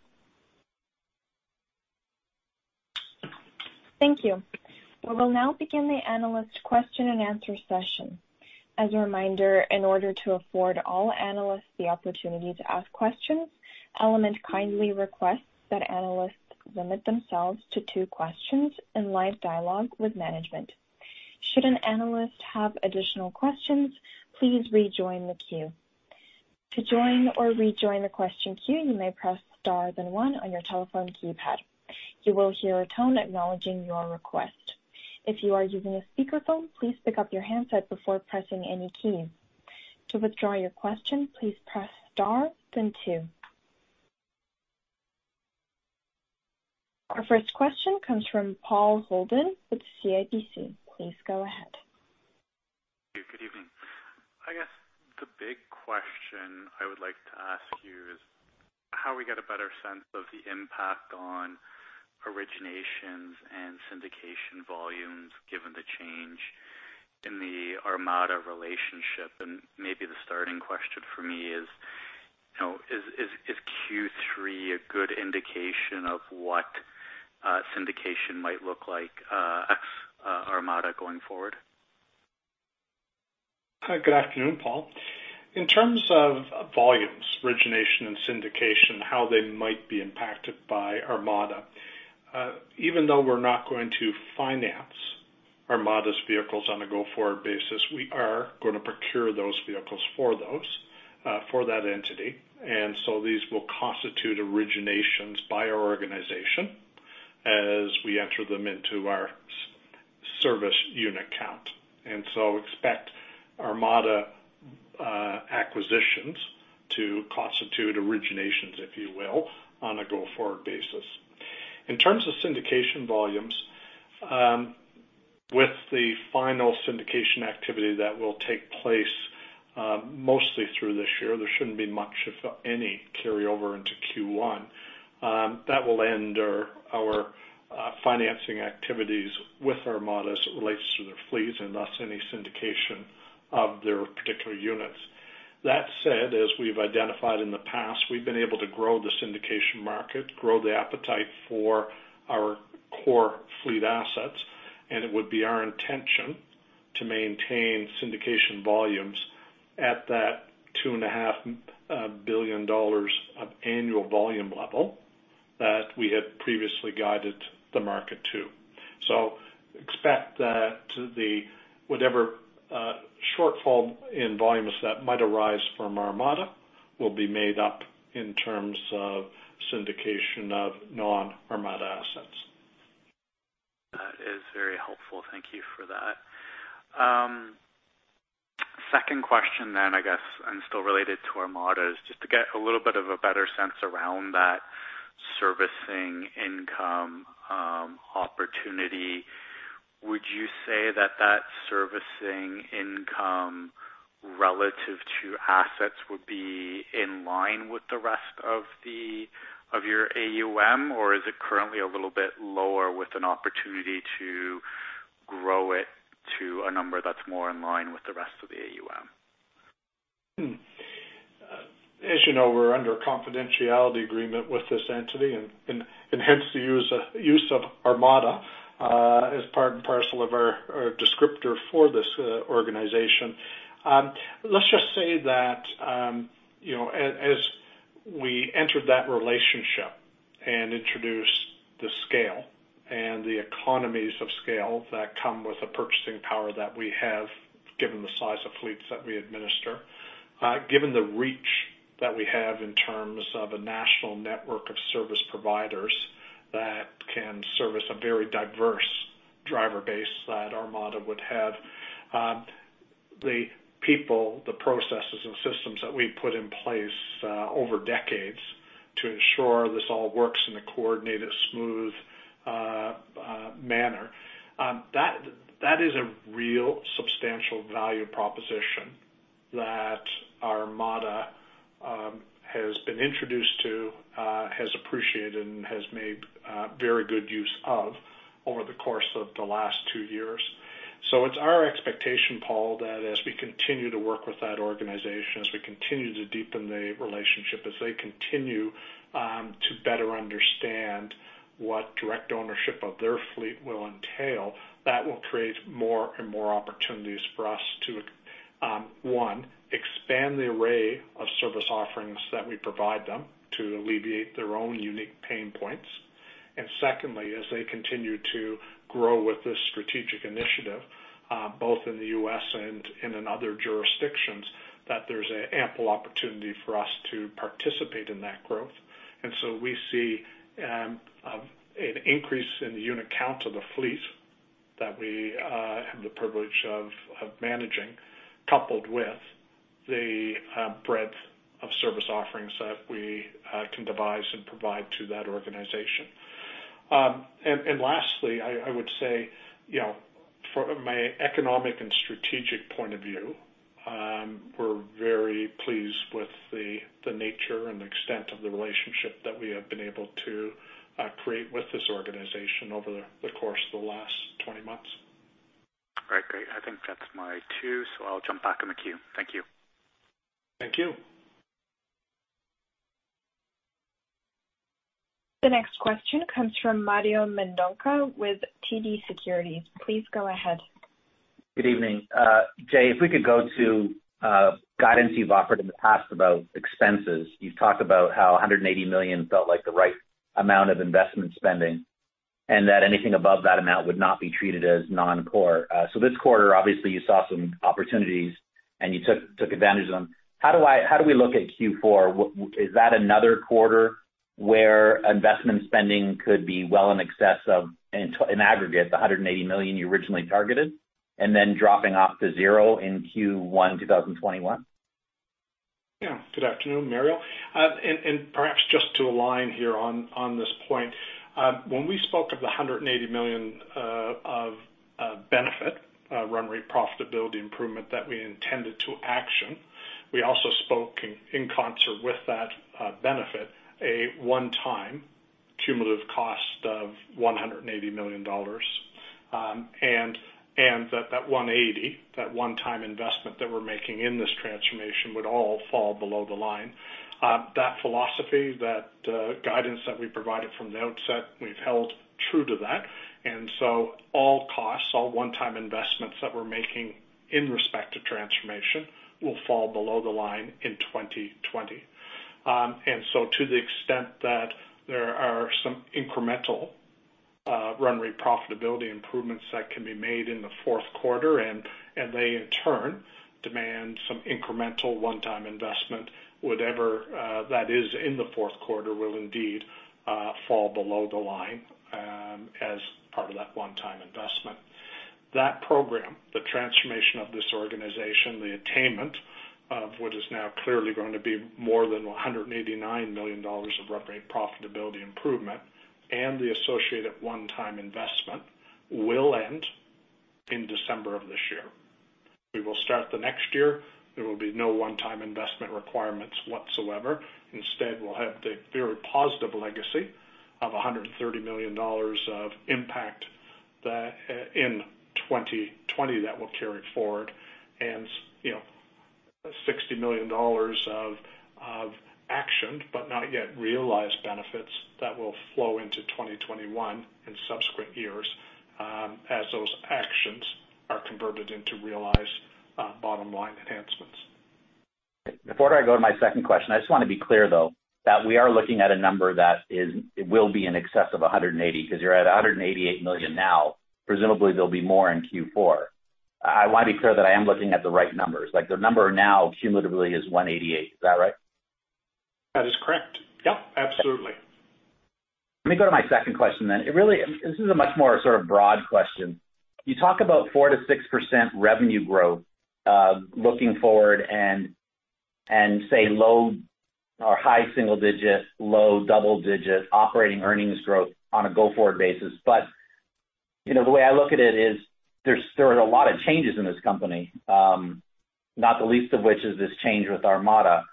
Thank you. We will now begin the analyst question-and-answer session. As a reminder, in order to afford all analysts the opportunity to ask questions, Element kindly requests that analysts limit themselves to two questions in live dialogue with management. Should an analyst have additional questions, please rejoin the queue. To join or rejoin the question queue, you may press star then one on your telephone keypad. You will hear a tone acknowledging your request. If you are using a speakerphone, please pick up your handset before pressing any key. To withdraw your question, please press star then two. Our first question comes from Paul Holden with CIBC. Please go ahead. Good evening. I guess the big question I would like to ask you is how we get a better sense of the impact on originations and syndication volumes given the change in the Armada relationship? Maybe the starting question for me is, you know, is Q3 a good indication of what syndication might look like ex Armada going forward? Good afternoon, Paul. In terms of volumes, origination and syndication, how they might be impacted by Armada, even though we're not going to finance Armada's vehicles on a go-forward basis, we are gonna procure those vehicles for that entity. These will constitute originations by our organization as we enter them into our service unit count. Expect Armada acquisitions to constitute originations, if you will, on a go-forward basis. In terms of syndication volumes, with the final syndication activity that will take place, mostly through this year, there shouldn't be much, if any, carryover into Q1. That will end our financing activities with Armada as it relates to their fleets and thus any syndication of their particular units. That said, as we've identified in the past, we've been able to grow the syndication market, grow the appetite for our core fleet assets, and it would be our intention to maintain syndication volumes at that 2.5 billion dollars of annual volume level that we had previously guided the market to. Expect that the whatever shortfall in volumes that might arise from Armada will be made up in terms of syndication of non-Armada assets. Thank you for that. Second question I guess, and still related to Armada, is just to get a little bit of a better sense around that servicing income, opportunity. Would you say that that servicing income relative to assets would be in line with the rest of your AUM? Or is it currently a little bit lower with an opportunity to grow it to a number that's more in line with the rest of the AUM? As you know, we're under a confidentiality agreement with this entity and hence the use of Armada as part and parcel of our descriptor for this organization. Let's just say that, you know, as we entered that relationship and introduced the scale and the economies of scale that come with the purchasing power that we have, given the size of fleets that we administer, given the reach that we have in terms of a national network of service providers that can service a very diverse driver base that Armada would have, the people, the processes and systems that we put in place over decades to ensure this all works in a coordinated, smooth manner, that is a real substantial value proposition that Armada has been introduced to, has appreciated and has made very good use of over the course of the last two years. It's our expectation, Paul, that as we continue to work with that organization, as we continue to deepen the relationship, as they continue to better understand what direct ownership of their fleet will entail, that will create more and more opportunities for us to one, expand the array of service offerings that we provide them to alleviate their own unique pain points. Secondly, as they continue to grow with this strategic initiative, both in the U.S. and in other jurisdictions, that there's ample opportunity for us to participate in that growth. We see an increase in the unit count of the fleet that we have the privilege of managing, coupled with the breadth of service offerings that we can devise and provide to that organization. Lastly, I would say, you know, for my economic and strategic point of view, we're very pleased with the nature and extent of the relationship that we have been able to create with this organization over the course of the last 20 months. Right. Great. I think that's my two, so I'll jump back in the queue. Thank you. Thank you. The next question comes from Mario Mendonca with TD Securities. Please go ahead. Good evening. Jay, if we could go to guidance you've offered in the past about expenses. You've talked about how 180 million felt like the right amount of investment spending, and that anything above that amount would not be treated as non-core. This quarter, obviously you saw some opportunities and you took advantage of them. How do we look at Q4? Is that another quarter where investment spending could be well in excess of, in aggregate, the 180 million you originally targeted, and then dropping off to zero in Q1, 2021? Yeah. Good afternoon, Mario. Perhaps just to align here on this point, when we spoke of the 180 million of benefit run rate profitability improvement that we intended to action, we also spoke in concert with that benefit, a one-time cumulative cost of 180 million dollars. That 180, that one-time investment that we're making in this transformation would all fall below the line. That philosophy, that guidance that we provided from the outset, we've held true to that. All costs, all one-time investments that we're making in respect to transformation will fall below the line in 2020. To the extent that there are some incremental run rate profitability improvements that can be made in the fourth quarter and they in turn demand some incremental one-time investment, whatever that is in the fourth quarter will indeed fall below the line as part of that one-time investment. That program, the transformation of this organization, the attainment of what is now clearly going to be more than 189 million dollars of run rate profitability improvement and the associated one-time investment will end in December of this year. We will start the next year. There will be no one-time investment requirements whatsoever. Instead, we'll have the very positive legacy of 130 million dollars of impact that in 2020 that will carry forward. You know, 60 million dollars of actioned but not yet realized benefits that will flow into 2021 in subsequent years, as those actions are converted into realized bottom line enhancements. Before I go to my second question, I just wanna be clear though, that we are looking at a number that is, will be in excess of 180 million, 'cause you're at 188 million now. Presumably, there'll be more in Q4. I wanna be clear that I am looking at the right numbers. Like the number now cumulatively is 188 million. Is that right? That is correct. Yeah. Let me go to my second question then. This is a much more sort of broad question. You talk about 4%-6% revenue growth looking forward and say low or high single-digit, low double-digit operating earnings growth on a go-forward basis. You know, the way I look at it is there are a lot of changes in this company, not the least of which is this change with Armada.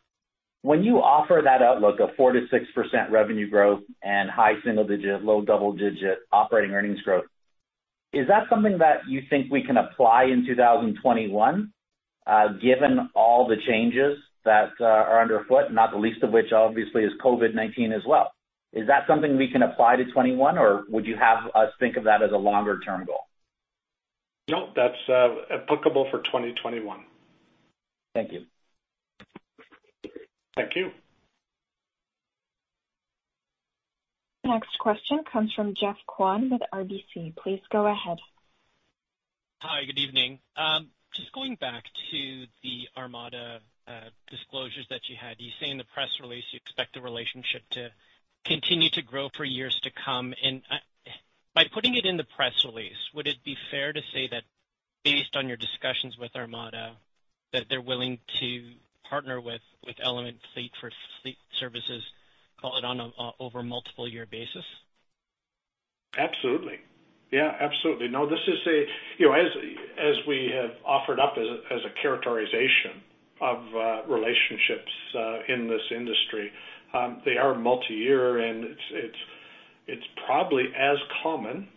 When you offer that outlook of 4%-6% revenue growth and high single-digit, low double-digit operating earnings growth, is that something that you think we can apply in 2021, given all the changes that are underfoot, not the least of which obviously is COVID-19 as well? Is that something we can apply to 2021, or would you have us think of that as a longer-term goal? No, that's applicable for 2021. Thank you. Thank you. Next question comes from Jeff Kwan with RBC. Please go ahead. Hi, good evening. Just going back to the Armada disclosures that you had. You say in the press release you expect the relationship to continue to grow for years to come. By putting it in the press release, would it be fair to say that based on your discussions with Armada, that they're willing to partner with Element Fleet for fleet services, call it on a over multiple year basis? Absolutely. Yeah, absolutely. No. You know, as we have offered up as a characterization of relationships in this industry, they are multi-year, and it's probably as common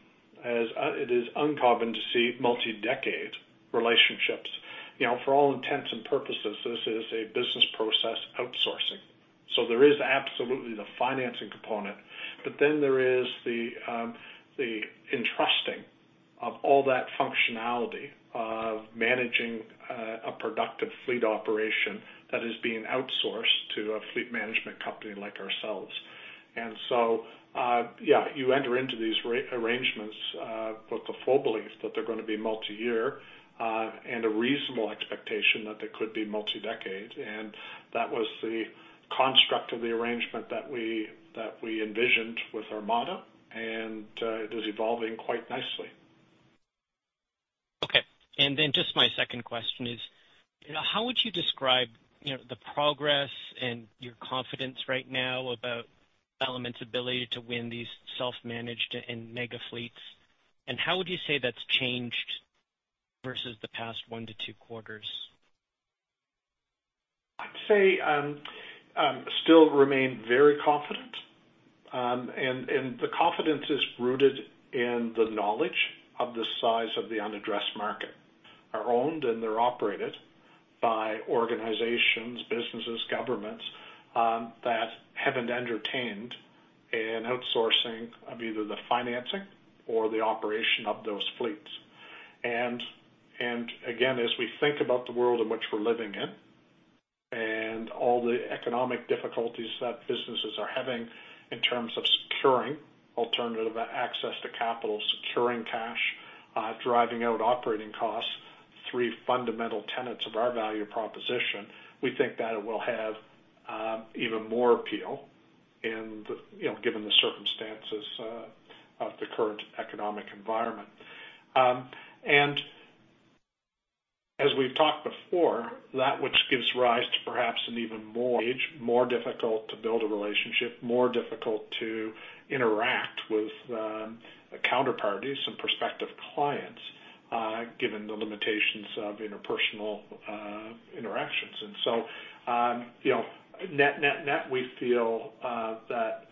as it is uncommon to see multi-decade relationships. You know, for all intents and purposes, this is a business process outsourcing. There is absolutely the financing component, but then there is the entrusting of all that functionality of managing a productive fleet operation that is being outsourced to a fleet management company like ourselves. Yeah, you enter into these arrangements with the full belief that they're gonna be multi-year, and a reasonable expectation that they could be multi-decade. That was the construct of the arrangement that we envisioned with Armada, and it is evolving quite nicely. Okay. Just my second question is, how would you describe, you know, the progress and your confidence right now about Element's ability to win these self-managed and mega fleets? How would you say that's changed versus the past one to two quarters? I'd say still remain very confident. The confidence is rooted in the knowledge of the size of the unaddressed market, are owned, and they're operated by organizations, businesses, governments, that haven't entertained an outsourcing of either the financing or the operation of those fleets. Again, as we think about the world in which we're living in and all the economic difficulties that businesses are having in terms of securing alternative access to capital, securing cash, driving out operating costs, three fundamental tenets of our value proposition, we think that it will have even more appeal in the, you know, given the circumstances of the current economic environment. As we've talked before, that which gives rise to perhaps an even more difficult to build a relationship, more difficult to interact with counterparties and prospective clients, given the limitations of interpersonal interactions. You know, net-net we feel that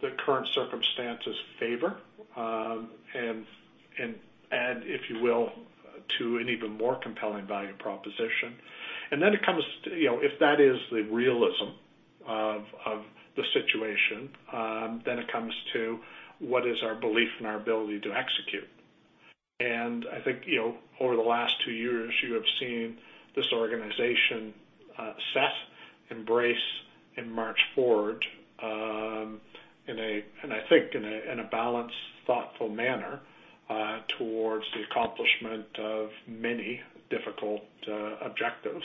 the current circumstances favor, and if you will, an even more compelling value proposition. It comes to, you know, if that is the reality of the situation, then it comes to what is our belief and our ability to execute. I think, you know, over the last two years, you have seen this organization embrace and march forward in a balanced, thoughtful manner towards the accomplishment of many difficult objectives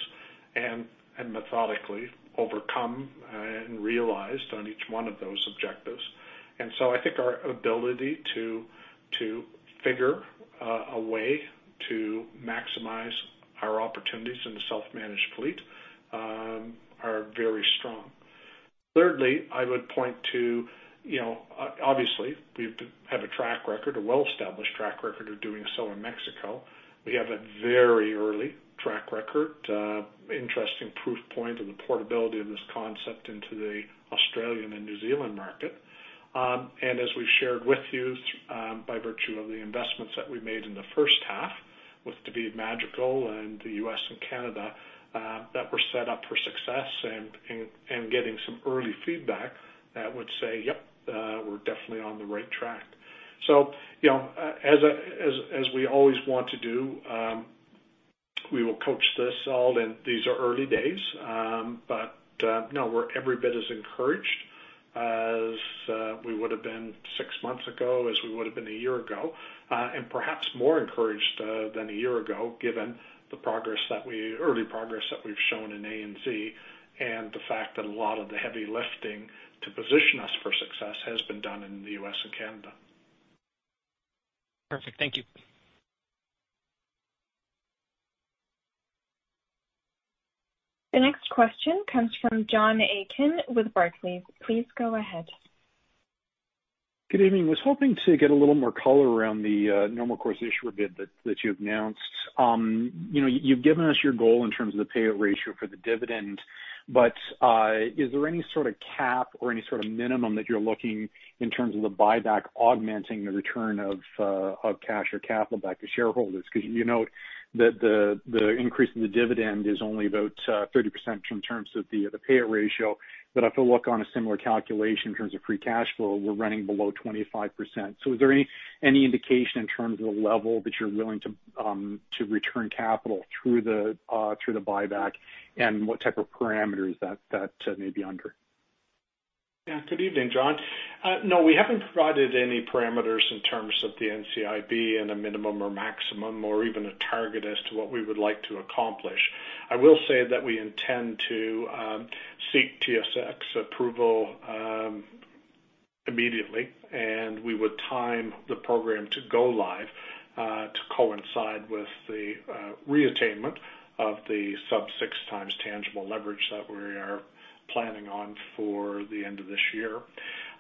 and methodically overcome and realized on each one of those objectives. I think our ability to figure a way to maximize our opportunities in the self-managed fleet are very strong. Thirdly, I would point to, you know, obviously, we have a track record, a well-established track record of doing so in Mexico. We have a very early track record, interesting proof point of the portability of this concept into the Australian and New Zealand market. As we've shared with you, by virtue of the investments that we made in the first half with David Madrigal and the U.S. and Canada, that we're set up for success and getting some early feedback that would say, "Yep, we're definitely on the right track." You know, as we always want to do, we will coach this all, and these are early days, but no, we're every bit as encouraged as we would have been six months ago, as we would have been a year ago, and perhaps more encouraged than a year ago, given the early progress that we've shown in ANZ, and the fact that a lot of the heavy lifting to position us for success has been done in the U.S. and Canada. Perfect. Thank you. The next question comes from John Aiken with Barclays. Please go ahead. Good evening. I was hoping to get a little more color around the normal course issuer bid that you announced. You know, you've given us your goal in terms of the payout ratio for the dividend, but is there any sort of cap or any sort of minimum that you're looking in terms of the buyback augmenting the return of cash or capital back to shareholders? Because you note that the increase in the dividend is only about 30% in terms of the payout ratio. But if you look on a similar calculation in terms of free cash flow, we're running below 25%. So is there any indication in terms of the level that you're willing to return capital through the buyback, and what type of parameters that may be under? Yeah. Good evening, John. No, we haven't provided any parameters in terms of the NCIB and a minimum or maximum or even a target as to what we would like to accomplish. I will say that we intend to seek TSX approval immediately, and we would time the program to go live to coincide with the reattainment of the sub-6x tangible leverage that we are planning on for the end of this year.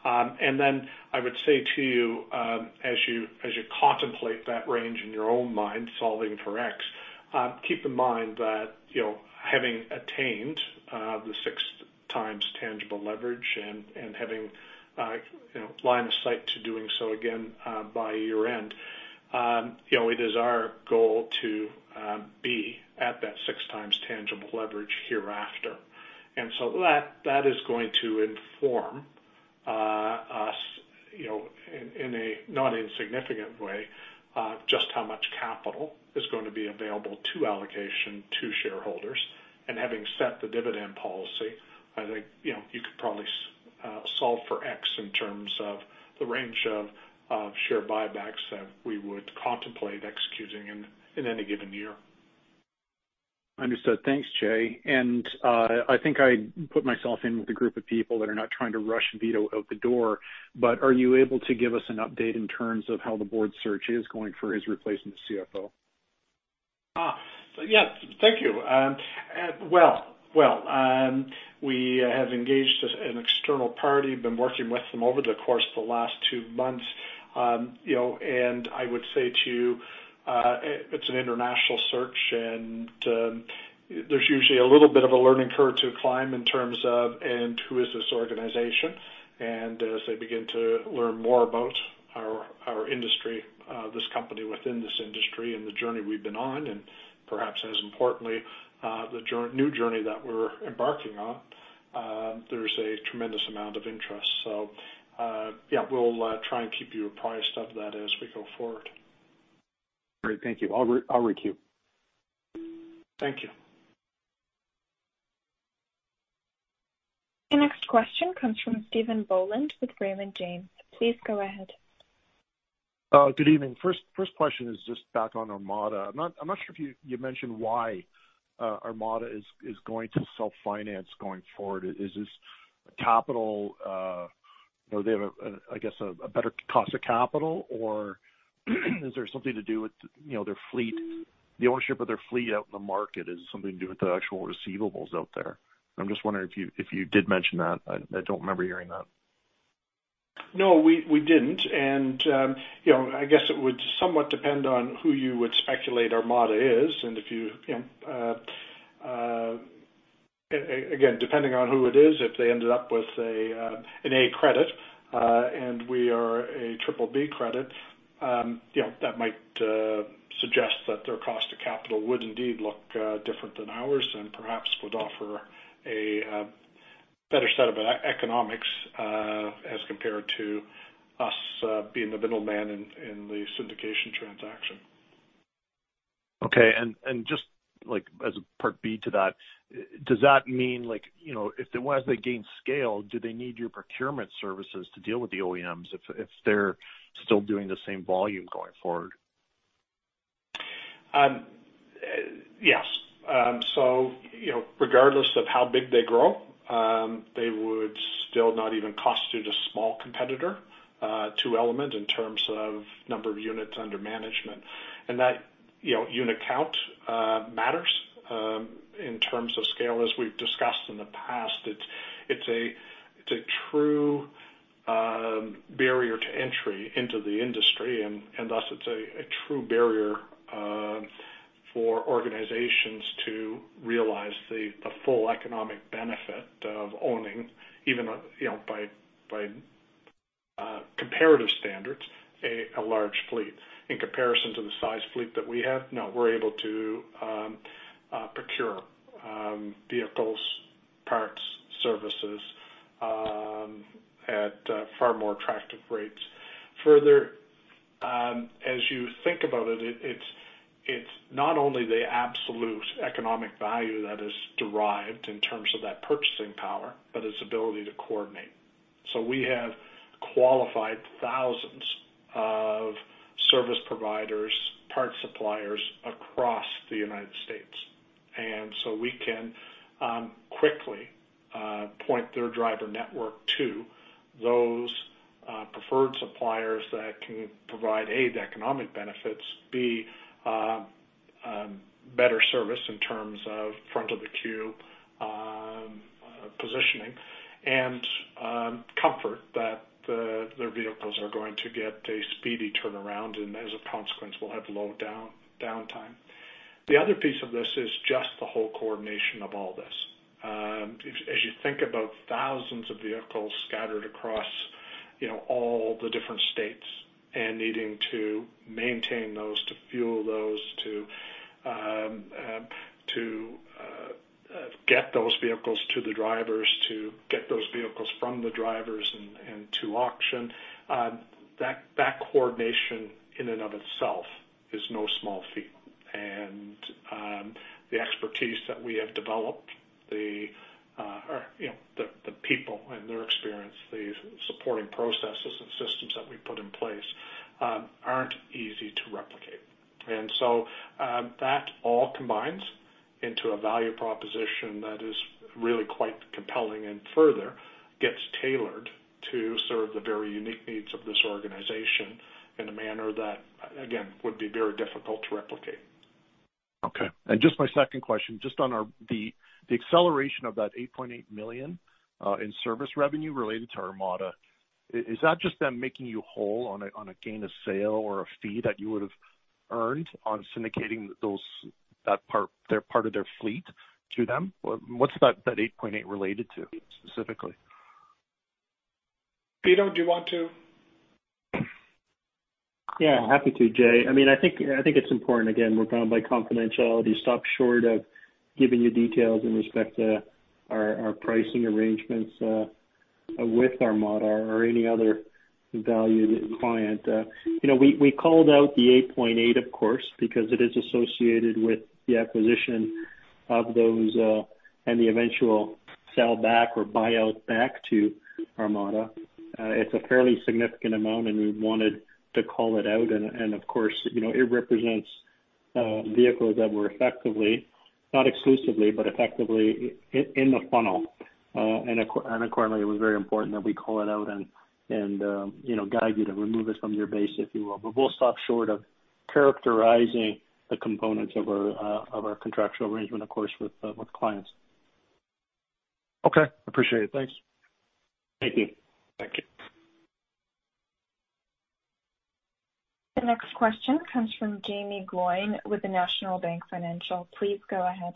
I would say to you, as you contemplate that range in your own mind, solving for X, keep in mind that, you know, having attained the 6x tangible leverage and having, you know, line of sight to doing so again by year-end, you know, it is our goal to be at that 6x tangible leverage hereafter. That is going to inform us, you know, in a not insignificant way, just how much capital is going to be available for allocation to shareholders. Having set the dividend policy, I think, you know, you could probably solve for X in terms of the range of share buybacks that we would contemplate executing in any given year. Understood. Thanks, Jay. I think I put myself in with a group of people that are not trying to rush Vito out the door, but are you able to give us an update in terms of how the board search is going for his replacement CFO? Yes. Thank you. Well, we have engaged an external party, been working with them over the course of the last two months. You know, I would say to you, it's an international search and there's usually a little bit of a learning curve to climb in terms of who is this organization? As they begin to learn more about our industry, this company within this industry and the journey we've been on, and perhaps as importantly, the new journey that we're embarking on, there's a tremendous amount of interest. Yeah, we'll try and keep you apprised of that as we go forward. Great. Thank you. I'll recuse. Thank you. The next question comes from Stephen Boland with Raymond James. Please go ahead. Good evening. First question is just back on Armada. I'm not sure if you mentioned why Armada is going to self-finance going forward. Is this capital, you know, they have a better cost of capital or is there something to do with, you know, their fleet, the ownership of their fleet out in the market? Is it something to do with the actual receivables out there? I'm just wondering if you did mention that. I don't remember hearing that. No, we didn't. You know, I guess it would somewhat depend on who you would speculate Armada is. If you know, again, depending on who it is, if they ended up with an A credit and we are a Triple B credit, you know, that might suggest that their cost of capital would indeed look different than ours and perhaps would offer a better set of economics as compared to us being the middleman in the syndication transaction. Okay. Just like as a Part B to that, does that mean like, you know, if there was a gain scale, do they need your procurement services to deal with the OEMs if they're still doing the same volume going forward? Yes. You know, regardless of how big they grow, they would still not even constitute a small competitor to Element in terms of number of units under management. That, you know, unit count matters in terms of scale, as we've discussed in the past. It's a true barrier to entry into the industry and thus it's a true barrier for organizations to realize the full economic benefit of owning even, you know, by comparative standards, a large fleet in comparison to the size fleet that we have. Now we're able to procure vehicles, parts, services at far more attractive rates. Further, as you think about it's not only the absolute economic value that is derived in terms of that purchasing power, but its ability to coordinate. We have qualified thousands of service providers, parts suppliers across the United States. We can quickly point their driver network to those preferred suppliers that can provide, A, the economic benefits, B, better service in terms of front of the queue positioning and comfort that their vehicles are going to get a speedy turnaround, and as a consequence, will have low downtime. The other piece of this is just the whole coordination of all this. As you think about thousands of vehicles scattered across, you know, all the different states and needing to maintain those, to fuel those, to get those vehicles to the drivers, to get those vehicles from the drivers and to auction, that coordination in and of itself is no small feat. The expertise that we have developed, the people and their experience, the supporting processes and systems that we put in place aren't easy to replicate. That all combines into a value proposition that is really quite compelling and further gets tailored to serve the very unique needs of this organization in a manner that, again, would be very difficult to replicate. Okay. Just my second question, just on the acceleration of that 8.8 million in service revenue related to Armada, is that just them making you whole on a gain on sale or a fee that you would've earned on syndicating that part of their fleet to them? Or what's that 8.8 million related to specifically? Vito, do you want to? Yeah, happy to, Jay. I mean, I think it's important, again, we're bound by confidentiality, stop short of giving you details with respect to our pricing arrangements with Armada or any other valued client. You know, we called out the $8.8, of course, because it is associated with the acquisition of those and the eventual sell back or buyout back to Armada. It's a fairly significant amount, and we wanted to call it out and, you know, it represents vehicles that were effectively, not exclusively, but effectively in the funnel. Accordingly, it was very important that we call it out and, you know, guide you to remove this from your base, if you will. We'll stop short of characterizing the components of our contractual arrangement, of course, with clients. Okay. Appreciate it. Thanks. Thank you. Thank you. The next question comes from Jaeme Gloyn with the National Bank Financial. Please go ahead.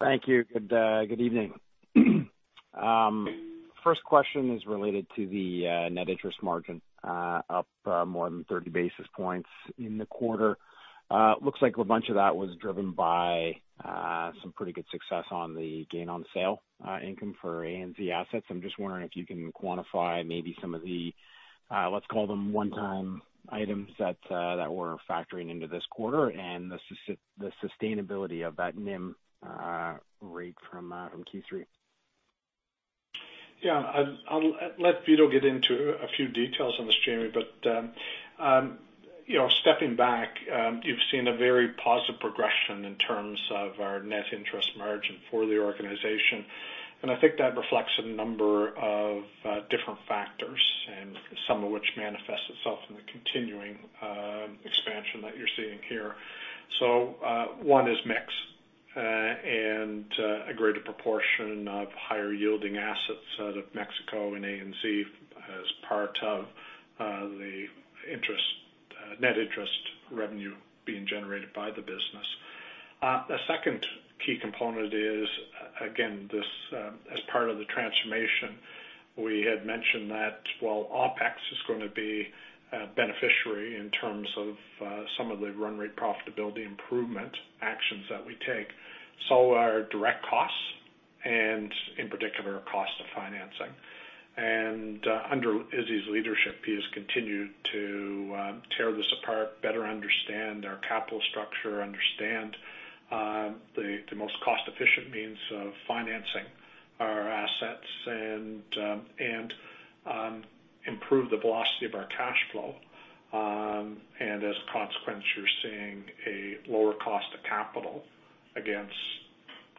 Thank you. Good evening. First question is related to the net interest margin up more than 30 basis points in the quarter. It looks like a bunch of that was driven by some pretty good success on the gain on sale income for ANZ assets. I'm just wondering if you can quantify maybe some of the, let's call them one-time items that we're factoring into this quarter and the sustainability of that NIM rate from Q3. Yeah. I'll let Vito get into a few details on this, Jaeme, but you know, stepping back, you've seen a very positive progression in terms of our net interest margin for the organization. I think that reflects a number of different factors, and some of which manifests itself in the continuing expansion that you're seeing here. One is mix and a greater proportion of higher yielding assets out of Mexico and ANZ as part of the net interest revenue being generated by the business. A second key component is again this as part of the transformation. We had mentioned that while OpEx is gonna be a beneficiary in terms of some of the run rate profitability improvement actions that we take, so are direct costs and in particular cost of financing. Under Izzy's leadership, he has continued to tear this apart, better understand our capital structure, understand the most cost-efficient means of financing our assets and improve the velocity of our cash flow. As a consequence, you're seeing a lower cost of capital against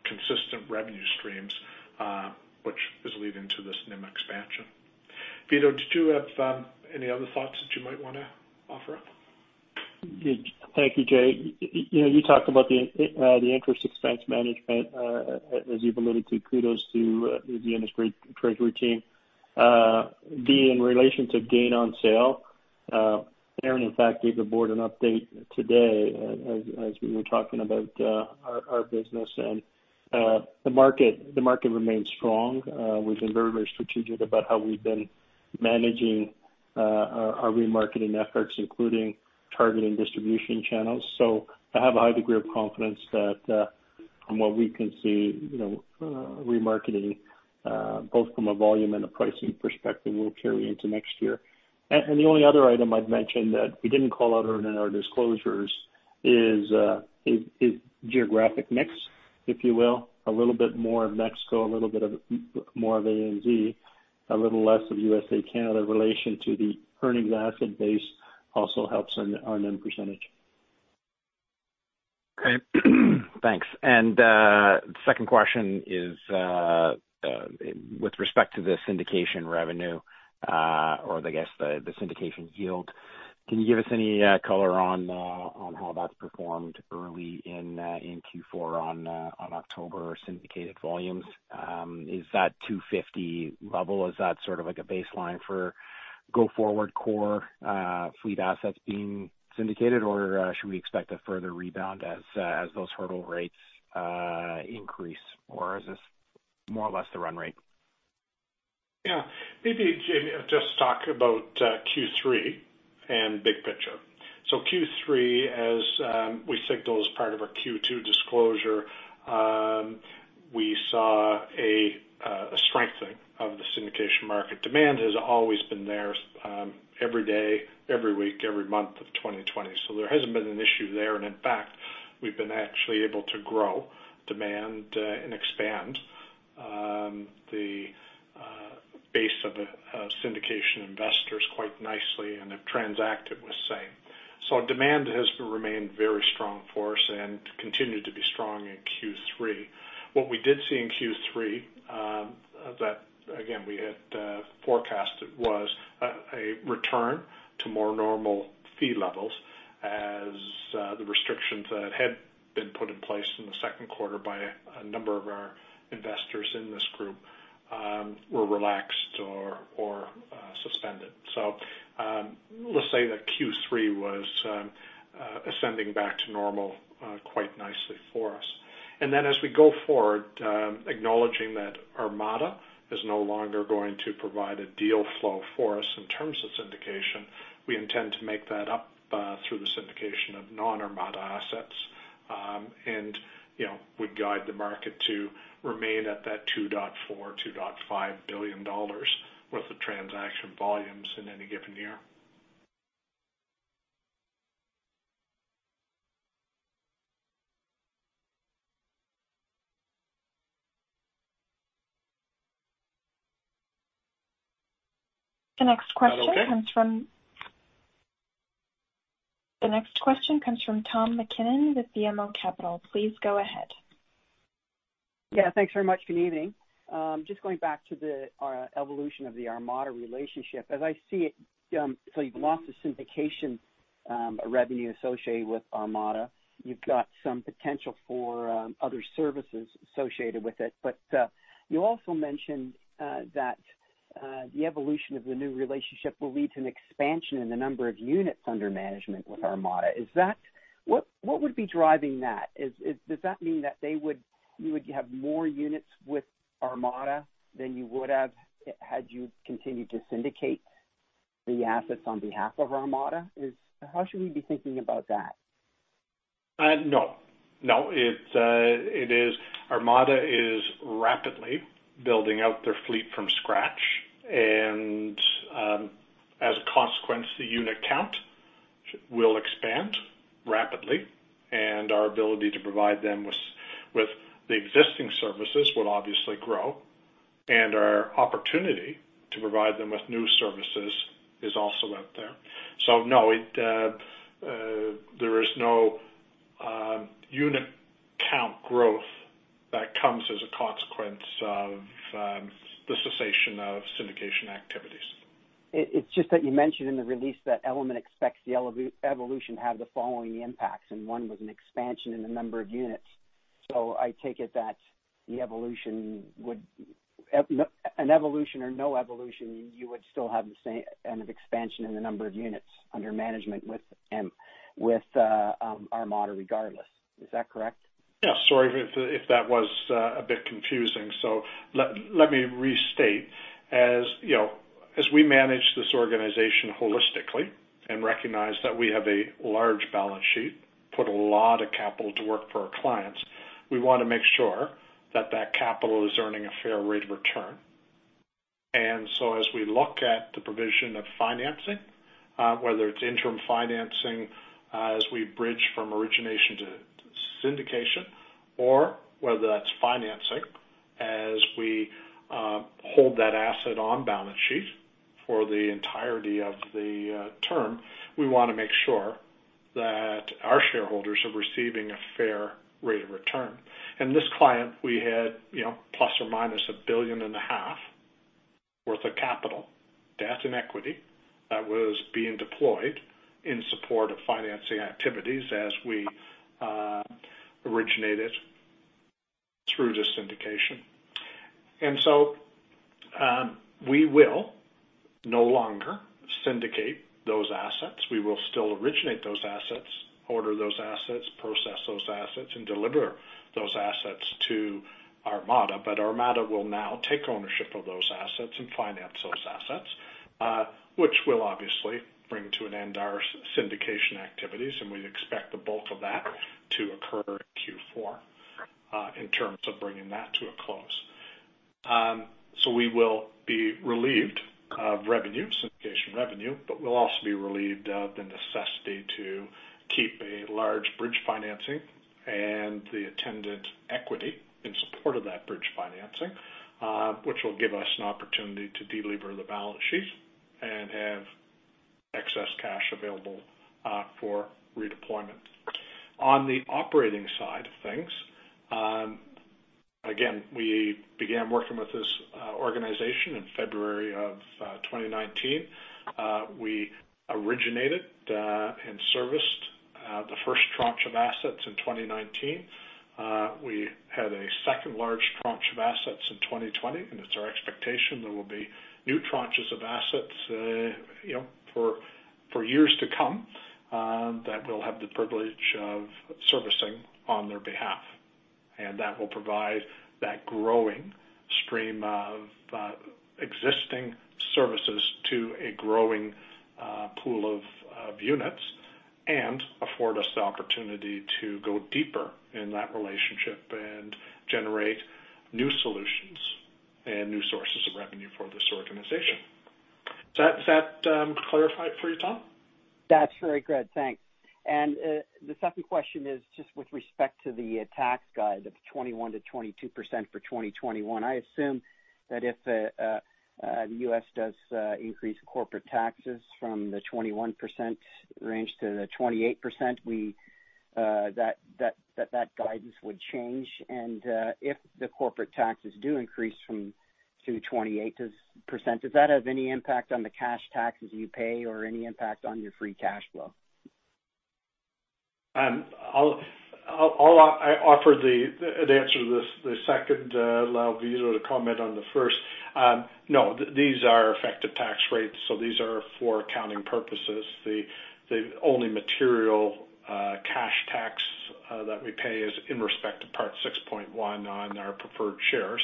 consistent revenue streams, which is leading to this NIM expansion. Vito, did you have any other thoughts that you might wanna offer up? Yeah. Thank you, Jay. You know, you talked about the interest expense management, as you've alluded to, kudos to the industry treasury team. Vito, in relation to gain on sale, Aaron, in fact, gave the board an update today as we were talking about our business and the market remains strong. We've been very strategic about how we've been managing our remarketing efforts, including targeting distribution channels. I have a high degree of confidence that from what we can see, you know, remarketing both from a volume and a pricing perspective, will carry into next year. The only other item I'd mention that we didn't call out in our disclosures is geographic mix, if you will. A little bit more of Mexico, a little bit more of ANZ. A little less of U.S., Canada in relation to the earning assets base also helps in our NIM percentage. Okay. Thanks. Second question is, with respect to the syndication revenue, or I guess the syndication yield, can you give us any color on how that's performed early in Q4 on October syndicated volumes? Is that 250 level sort of like a baseline for go forward core fleet assets being syndicated? Should we expect a further rebound as those hurdle rates increase? Is this more or less the run rate? Yeah. Maybe, Jaeme, I'll just talk about Q3 and big picture. Q3, as we signaled as part of our Q2 disclosure, we saw a strengthening of the syndication market. Demand has always been there every day, every week, every month of 2020. There hasn't been an issue there. In fact, we've been actually able to grow demand and expand the base of syndication investors quite nicely and have transacted with same. Demand has remained very strong for us and continued to be strong in Q3. What we did see in Q3, that again we had forecasted, was a return to more normal fee levels as the restrictions that had been put in place in the second quarter by a number of our investors in this group were relaxed or suspended. Let's say that Q3 was ascending back to normal quite nicely for us. As we go forward, acknowledging that Armada is no longer going to provide a deal flow for us in terms of syndication, we intend to make that up through the syndication of non-Armada assets. You know, we would guide the market to remain at that $2.4 billion-$2.5 billion worth of transaction volumes in any given year. The next question comes from. Is that all, Jaeme? The next question comes from Tom MacKinnon with BMO Capital Markets. Please go ahead. Yeah, thanks very much. Good evening. Just going back to the evolution of the Armada relationship. As I see it, you've lost the syndication revenue associated with Armada. You've got some potential for other services associated with it. You also mentioned that the evolution of the new relationship will lead to an expansion in the number of units under management with Armada. What would be driving that? Does that mean that you would have more units with Armada than you would have had you continued to syndicate the assets on behalf of Armada? How should we be thinking about that? No. It is. Armada is rapidly building out their fleet from scratch. As a consequence, the unit count will expand rapidly, and our ability to provide them with the existing services will obviously grow, and our opportunity to provide them with new services is also out there. No, there is no unit count growth that comes as a consequence of the cessation of syndication activities. It's just that you mentioned in the release that Element expects the evolution to have the following impacts, and one was an expansion in the number of units. I take it that an evolution or no evolution, you would still have the same an expansion in the number of units under management with Armada regardless. Is that correct? Yeah, sorry if that was a bit confusing. Let me restate. You know, as we manage this organization holistically and recognize that we have a large balance sheet, put a lot of capital to work for our clients, we wanna make sure that that capital is earning a fair rate of return. As we look at the provision of financing, whether it's interim financing, as we bridge from origination to syndication or whether that's financing as we hold that asset on balance sheet for the entirety of the term, we wanna make sure that our shareholders are receiving a fair rate of return. This client we had, you know, ± $1.5 billion worth of capital, debt, and equity that was being deployed in support of financing activities as we originated through the syndication. We will no longer syndicate those assets. We will still originate those assets, order those assets, process those assets, and deliver those assets to Armada. Armada will now take ownership of those assets and finance those assets, which will obviously bring to an end our syndication activities, and we expect the bulk of that to occur in Q4, in terms of bringing that to a close. We will be relieved of revenue, syndication revenue, but we'll also be relieved of the necessity to keep a large bridge financing and the attendant equity in support of that bridge financing, which will give us an opportunity to deleverage the balance sheet and have excess cash available for redeployment. On the operating side of things, again, we began working with this organization in February of 2019. We originated and serviced the first tranche of assets in 2019. We had a second large tranche of assets in 2020, and it's our expectation there will be new tranches of assets, you know, for years to come, that we'll have the privilege of servicing on their behalf. That will provide that growing stream of existing services to a growing pool of units and afford us the opportunity to go deeper in that relationship and generate new solutions and new sources of revenue for this organization. Does that clarify it for you, Tom? That's very good. Thanks. The second question is just with respect to the tax guidance of 21%-22% for 2021. I assume that if the U.S. does increase corporate taxes from the 21% range to the 28%, that guidance would change. If the corporate taxes do increase from 21%-28%, does that have any impact on the cash taxes you pay or any impact on your free cash flow? I'll offer the answer to the second. I'll allow Vito to comment on the first. No, these are effective tax rates, so these are for accounting purposes. The only material cash tax that we pay is in respect to Part VI.1 on our preferred shares.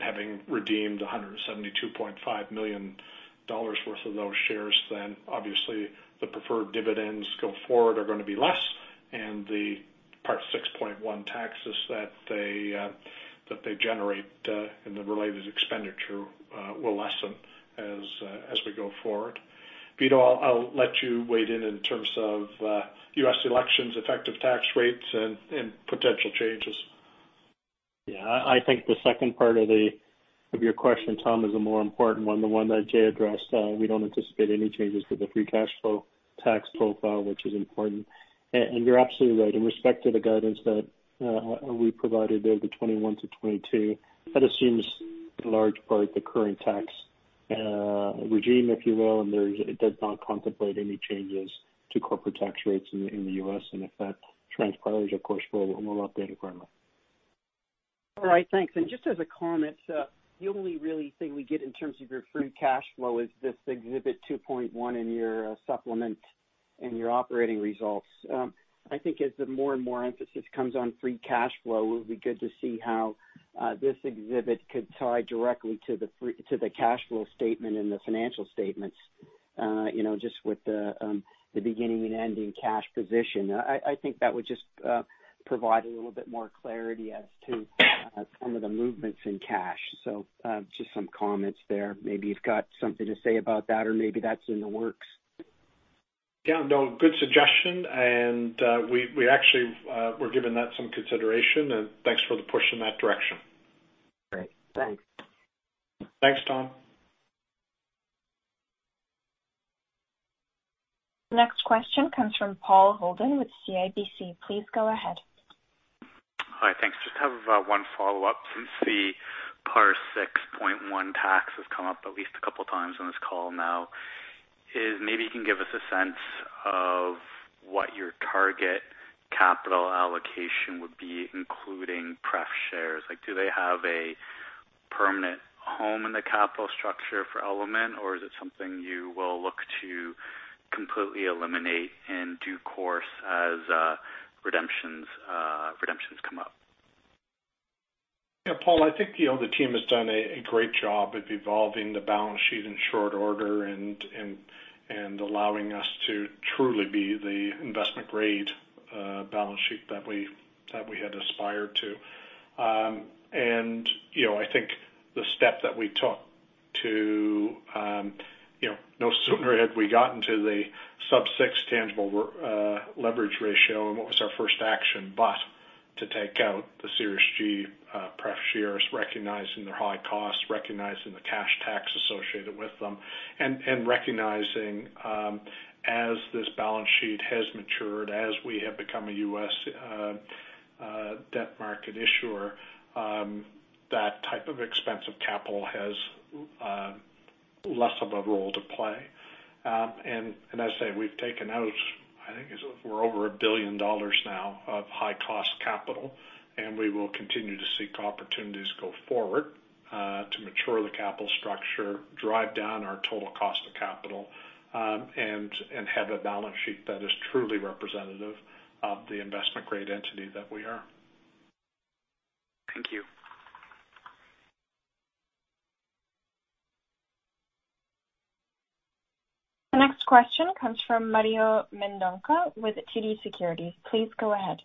Having redeemed 172.5 million dollars worth of those shares, then obviously the preferred dividends go forward are gonna be less, and the Part VI.1 taxes that they generate in the related expenditure will lessen as we go forward. Vito, I'll let you weigh in in terms of U.S. elections, effective tax rates and potential changes. Yeah. I think the second part of your question, Tom, is the more important one. The one that Jay addressed, we don't anticipate any changes to the free cash flow tax profile, which is important. You're absolutely right. In respect to the guidance that we provided there, the 21-22, that assumes in large part the current tax regime, if you will. It does not contemplate any changes to corporate tax rates in the U.S. If that transpires, of course, we'll update accordingly. All right, thanks. Just as a comment, the only really thing we get in terms of your free cash flow is this Exhibit 2.1 in your supplement in your operating results. I think as more and more emphasis comes on free cash flow, it would be good to see how this exhibit could tie directly to the cash flow statement and the financial statements, you know, just with the beginning and ending cash position. I think that would just provide a little bit more clarity as to some of the movements in cash. Just some comments there. Maybe you've got something to say about that or maybe that's in the works. Yeah, no, good suggestion. We actually are giving that some consideration, and thanks for the push in that direction. Great. Thanks. Thanks, Tom. Next question comes from Paul Holden with CIBC. Please go ahead. Hi. Thanks. Just have one follow-up. Since the Part VI.1 tax has come up at least a couple times on this call now, maybe you can give us a sense of what your target capital allocation would be including pref shares. Like, do they have a permanent home in the capital structure for Element, or is it something you will look to completely eliminate in due course as redemptions come up? Yeah, Paul, I think, you know, the team has done a great job at evolving the balance sheet in short order and allowing us to truly be the investment grade balance sheet that we had aspired to. I think the step that we took to, you know, no sooner had we gotten to the sub-six tangible leverage ratio and what was our first action but to take out the Series G pref shares, recognizing their high cost, recognizing the cash tax associated with them, and recognizing as this balance sheet has matured, as we have become a U.S. debt market issuer, that type of expensive capital has less of a role to play. As I say, we've taken out I think it's over 1 billion dollars now of high cost capital, and we will continue to seek opportunities going forward to mature the capital structure, drive down our total cost of capital, and have a balance sheet that is truly representative of the investment-grade entity that we are. Thank you. Next question comes from Mario Mendonca with TD Securities. Please go ahead.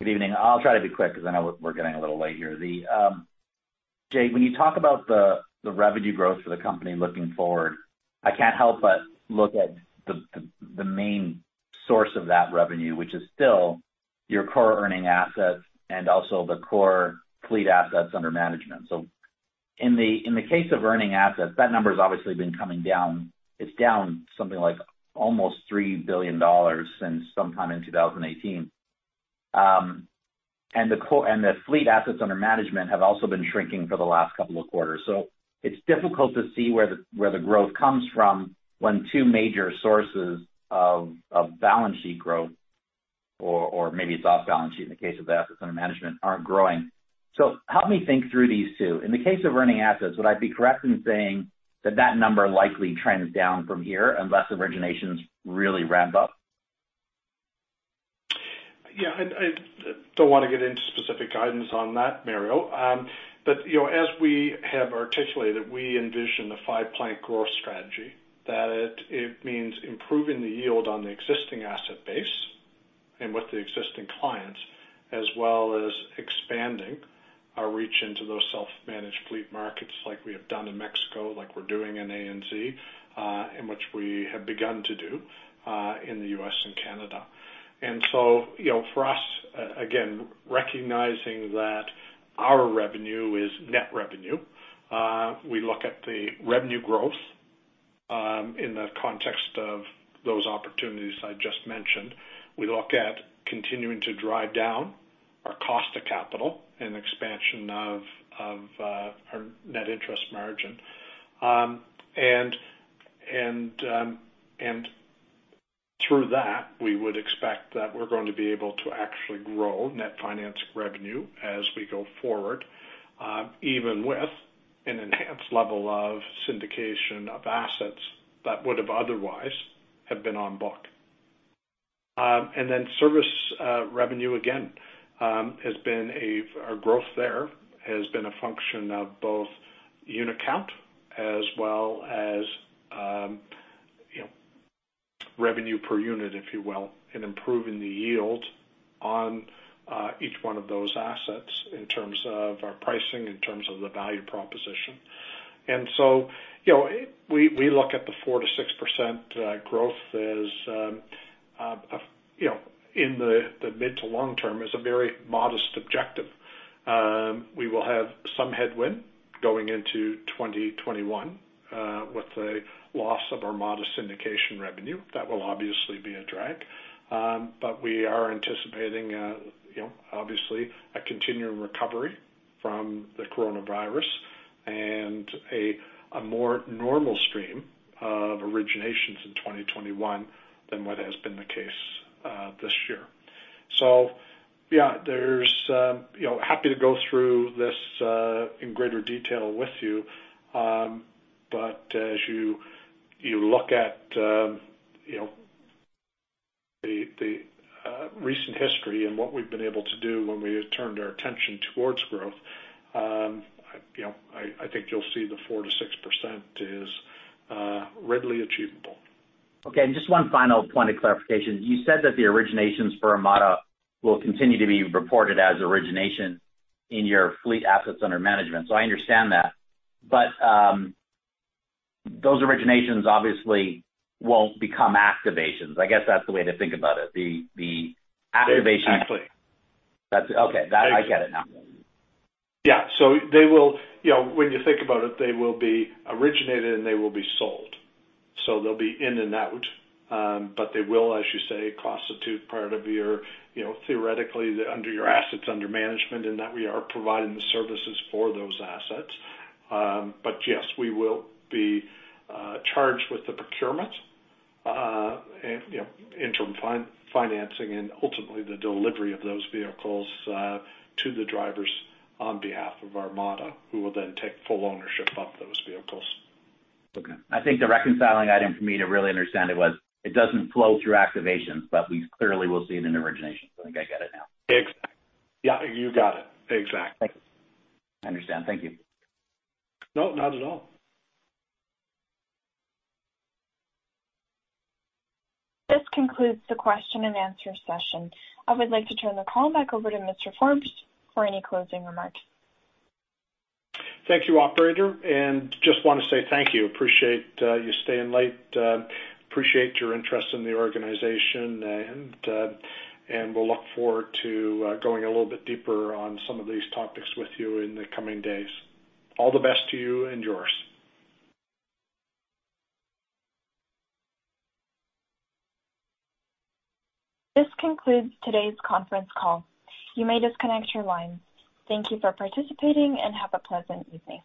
Good evening. I'll try to be quick because I know we're getting a little late here. Jay, when you talk about the revenue growth for the company looking forward, I can't help but look at the main source of that revenue, which is still your core earning assets and also the core fleet assets under management. In the case of earning assets, that number's obviously been coming down. It's down something like almost $3 billion since sometime in 2018. And the fleet assets under management have also been shrinking for the last couple of quarters. It's difficult to see where the growth comes from when two major sources of balance sheet growth, or maybe it's off balance sheet in the case of assets under management, aren't growing. Help me think through these two. In the case of earning assets, would I be correct in saying that that number likely trends down from here unless originations really ramp up? Yeah. I don't wanna get into specific guidance on that, Mario. You know, as we have articulated, we envision a five-point growth strategy that means improving the yield on the existing asset base and with the existing clients, as well as expanding our reach into those self-managed fleet markets like we have done in Mexico, like we're doing in ANZ, in which we have begun to do in the U.S. and Canada. You know, for us, again, recognizing that our revenue is net revenue, we look at the revenue growth in the context of those opportunities I just mentioned. We look at continuing to drive down our cost of capital and expansion of our net interest margin. through that, we would expect that we're going to be able to actually grow net finance revenue as we go forward, even with an enhanced level of syndication of assets that would have otherwise been on book. Service revenue again, our growth there has been a function of both unit count as well as, you know, revenue per unit, if you will, in improving the yield on each one of those assets in terms of our pricing, in terms of the value proposition. You know, we look at the 4%-6% growth as, you know, in the mid to long term is a very modest objective. We will have some headwind going into 2021 with the loss of our modest syndication revenue. That will obviously be a drag. We are anticipating, you know, obviously a continuing recovery from the coronavirus and a more normal stream of originations in 2021 than what has been the case this year. Yeah, you know, I'm happy to go through this in greater detail with you. As you look at, you know, the recent history and what we've been able to do when we turned our attention towards growth, you know, I think you'll see the 4%-6% is readily achievable. Okay. Just one final point of clarification. You said that the originations for Armada will continue to be reported as origination in your fleet assets under management, so I understand that. Those originations obviously won't become activations. I guess that's the way to think about it. The activation- Exactly. That's it. Okay. That, I get it now. Yeah. They will, you know, when you think about it, they will be originated, and they will be sold. They'll be in and out, but they will, as you say, constitute part of your, you know, theoretically under your assets under management, in that we are providing the services for those assets. But yes, we will be charged with the procurement, and, you know, interim financing and ultimately the delivery of those vehicles to the drivers on behalf of Armada, who will then take full ownership of those vehicles. Okay. I think the reconciling item for me to really understand it was, it doesn't flow through activations, but we clearly will see it in origination. I think I get it now. Yeah, you got it. Exactly. Thank you. I understand. Thank you. No, not at all. This concludes the question and answer session. I would like to turn the call back over to Mr. Forbes for any closing remarks. Thank you, operator. Just wanna say thank you. Appreciate you staying late. Appreciate your interest in the organization, and we'll look forward to going a little bit deeper on some of these topics with you in the coming days. All the best to you and yours. This concludes today's conference call. You may disconnect your lines. Thank you for participating and have a pleasant evening.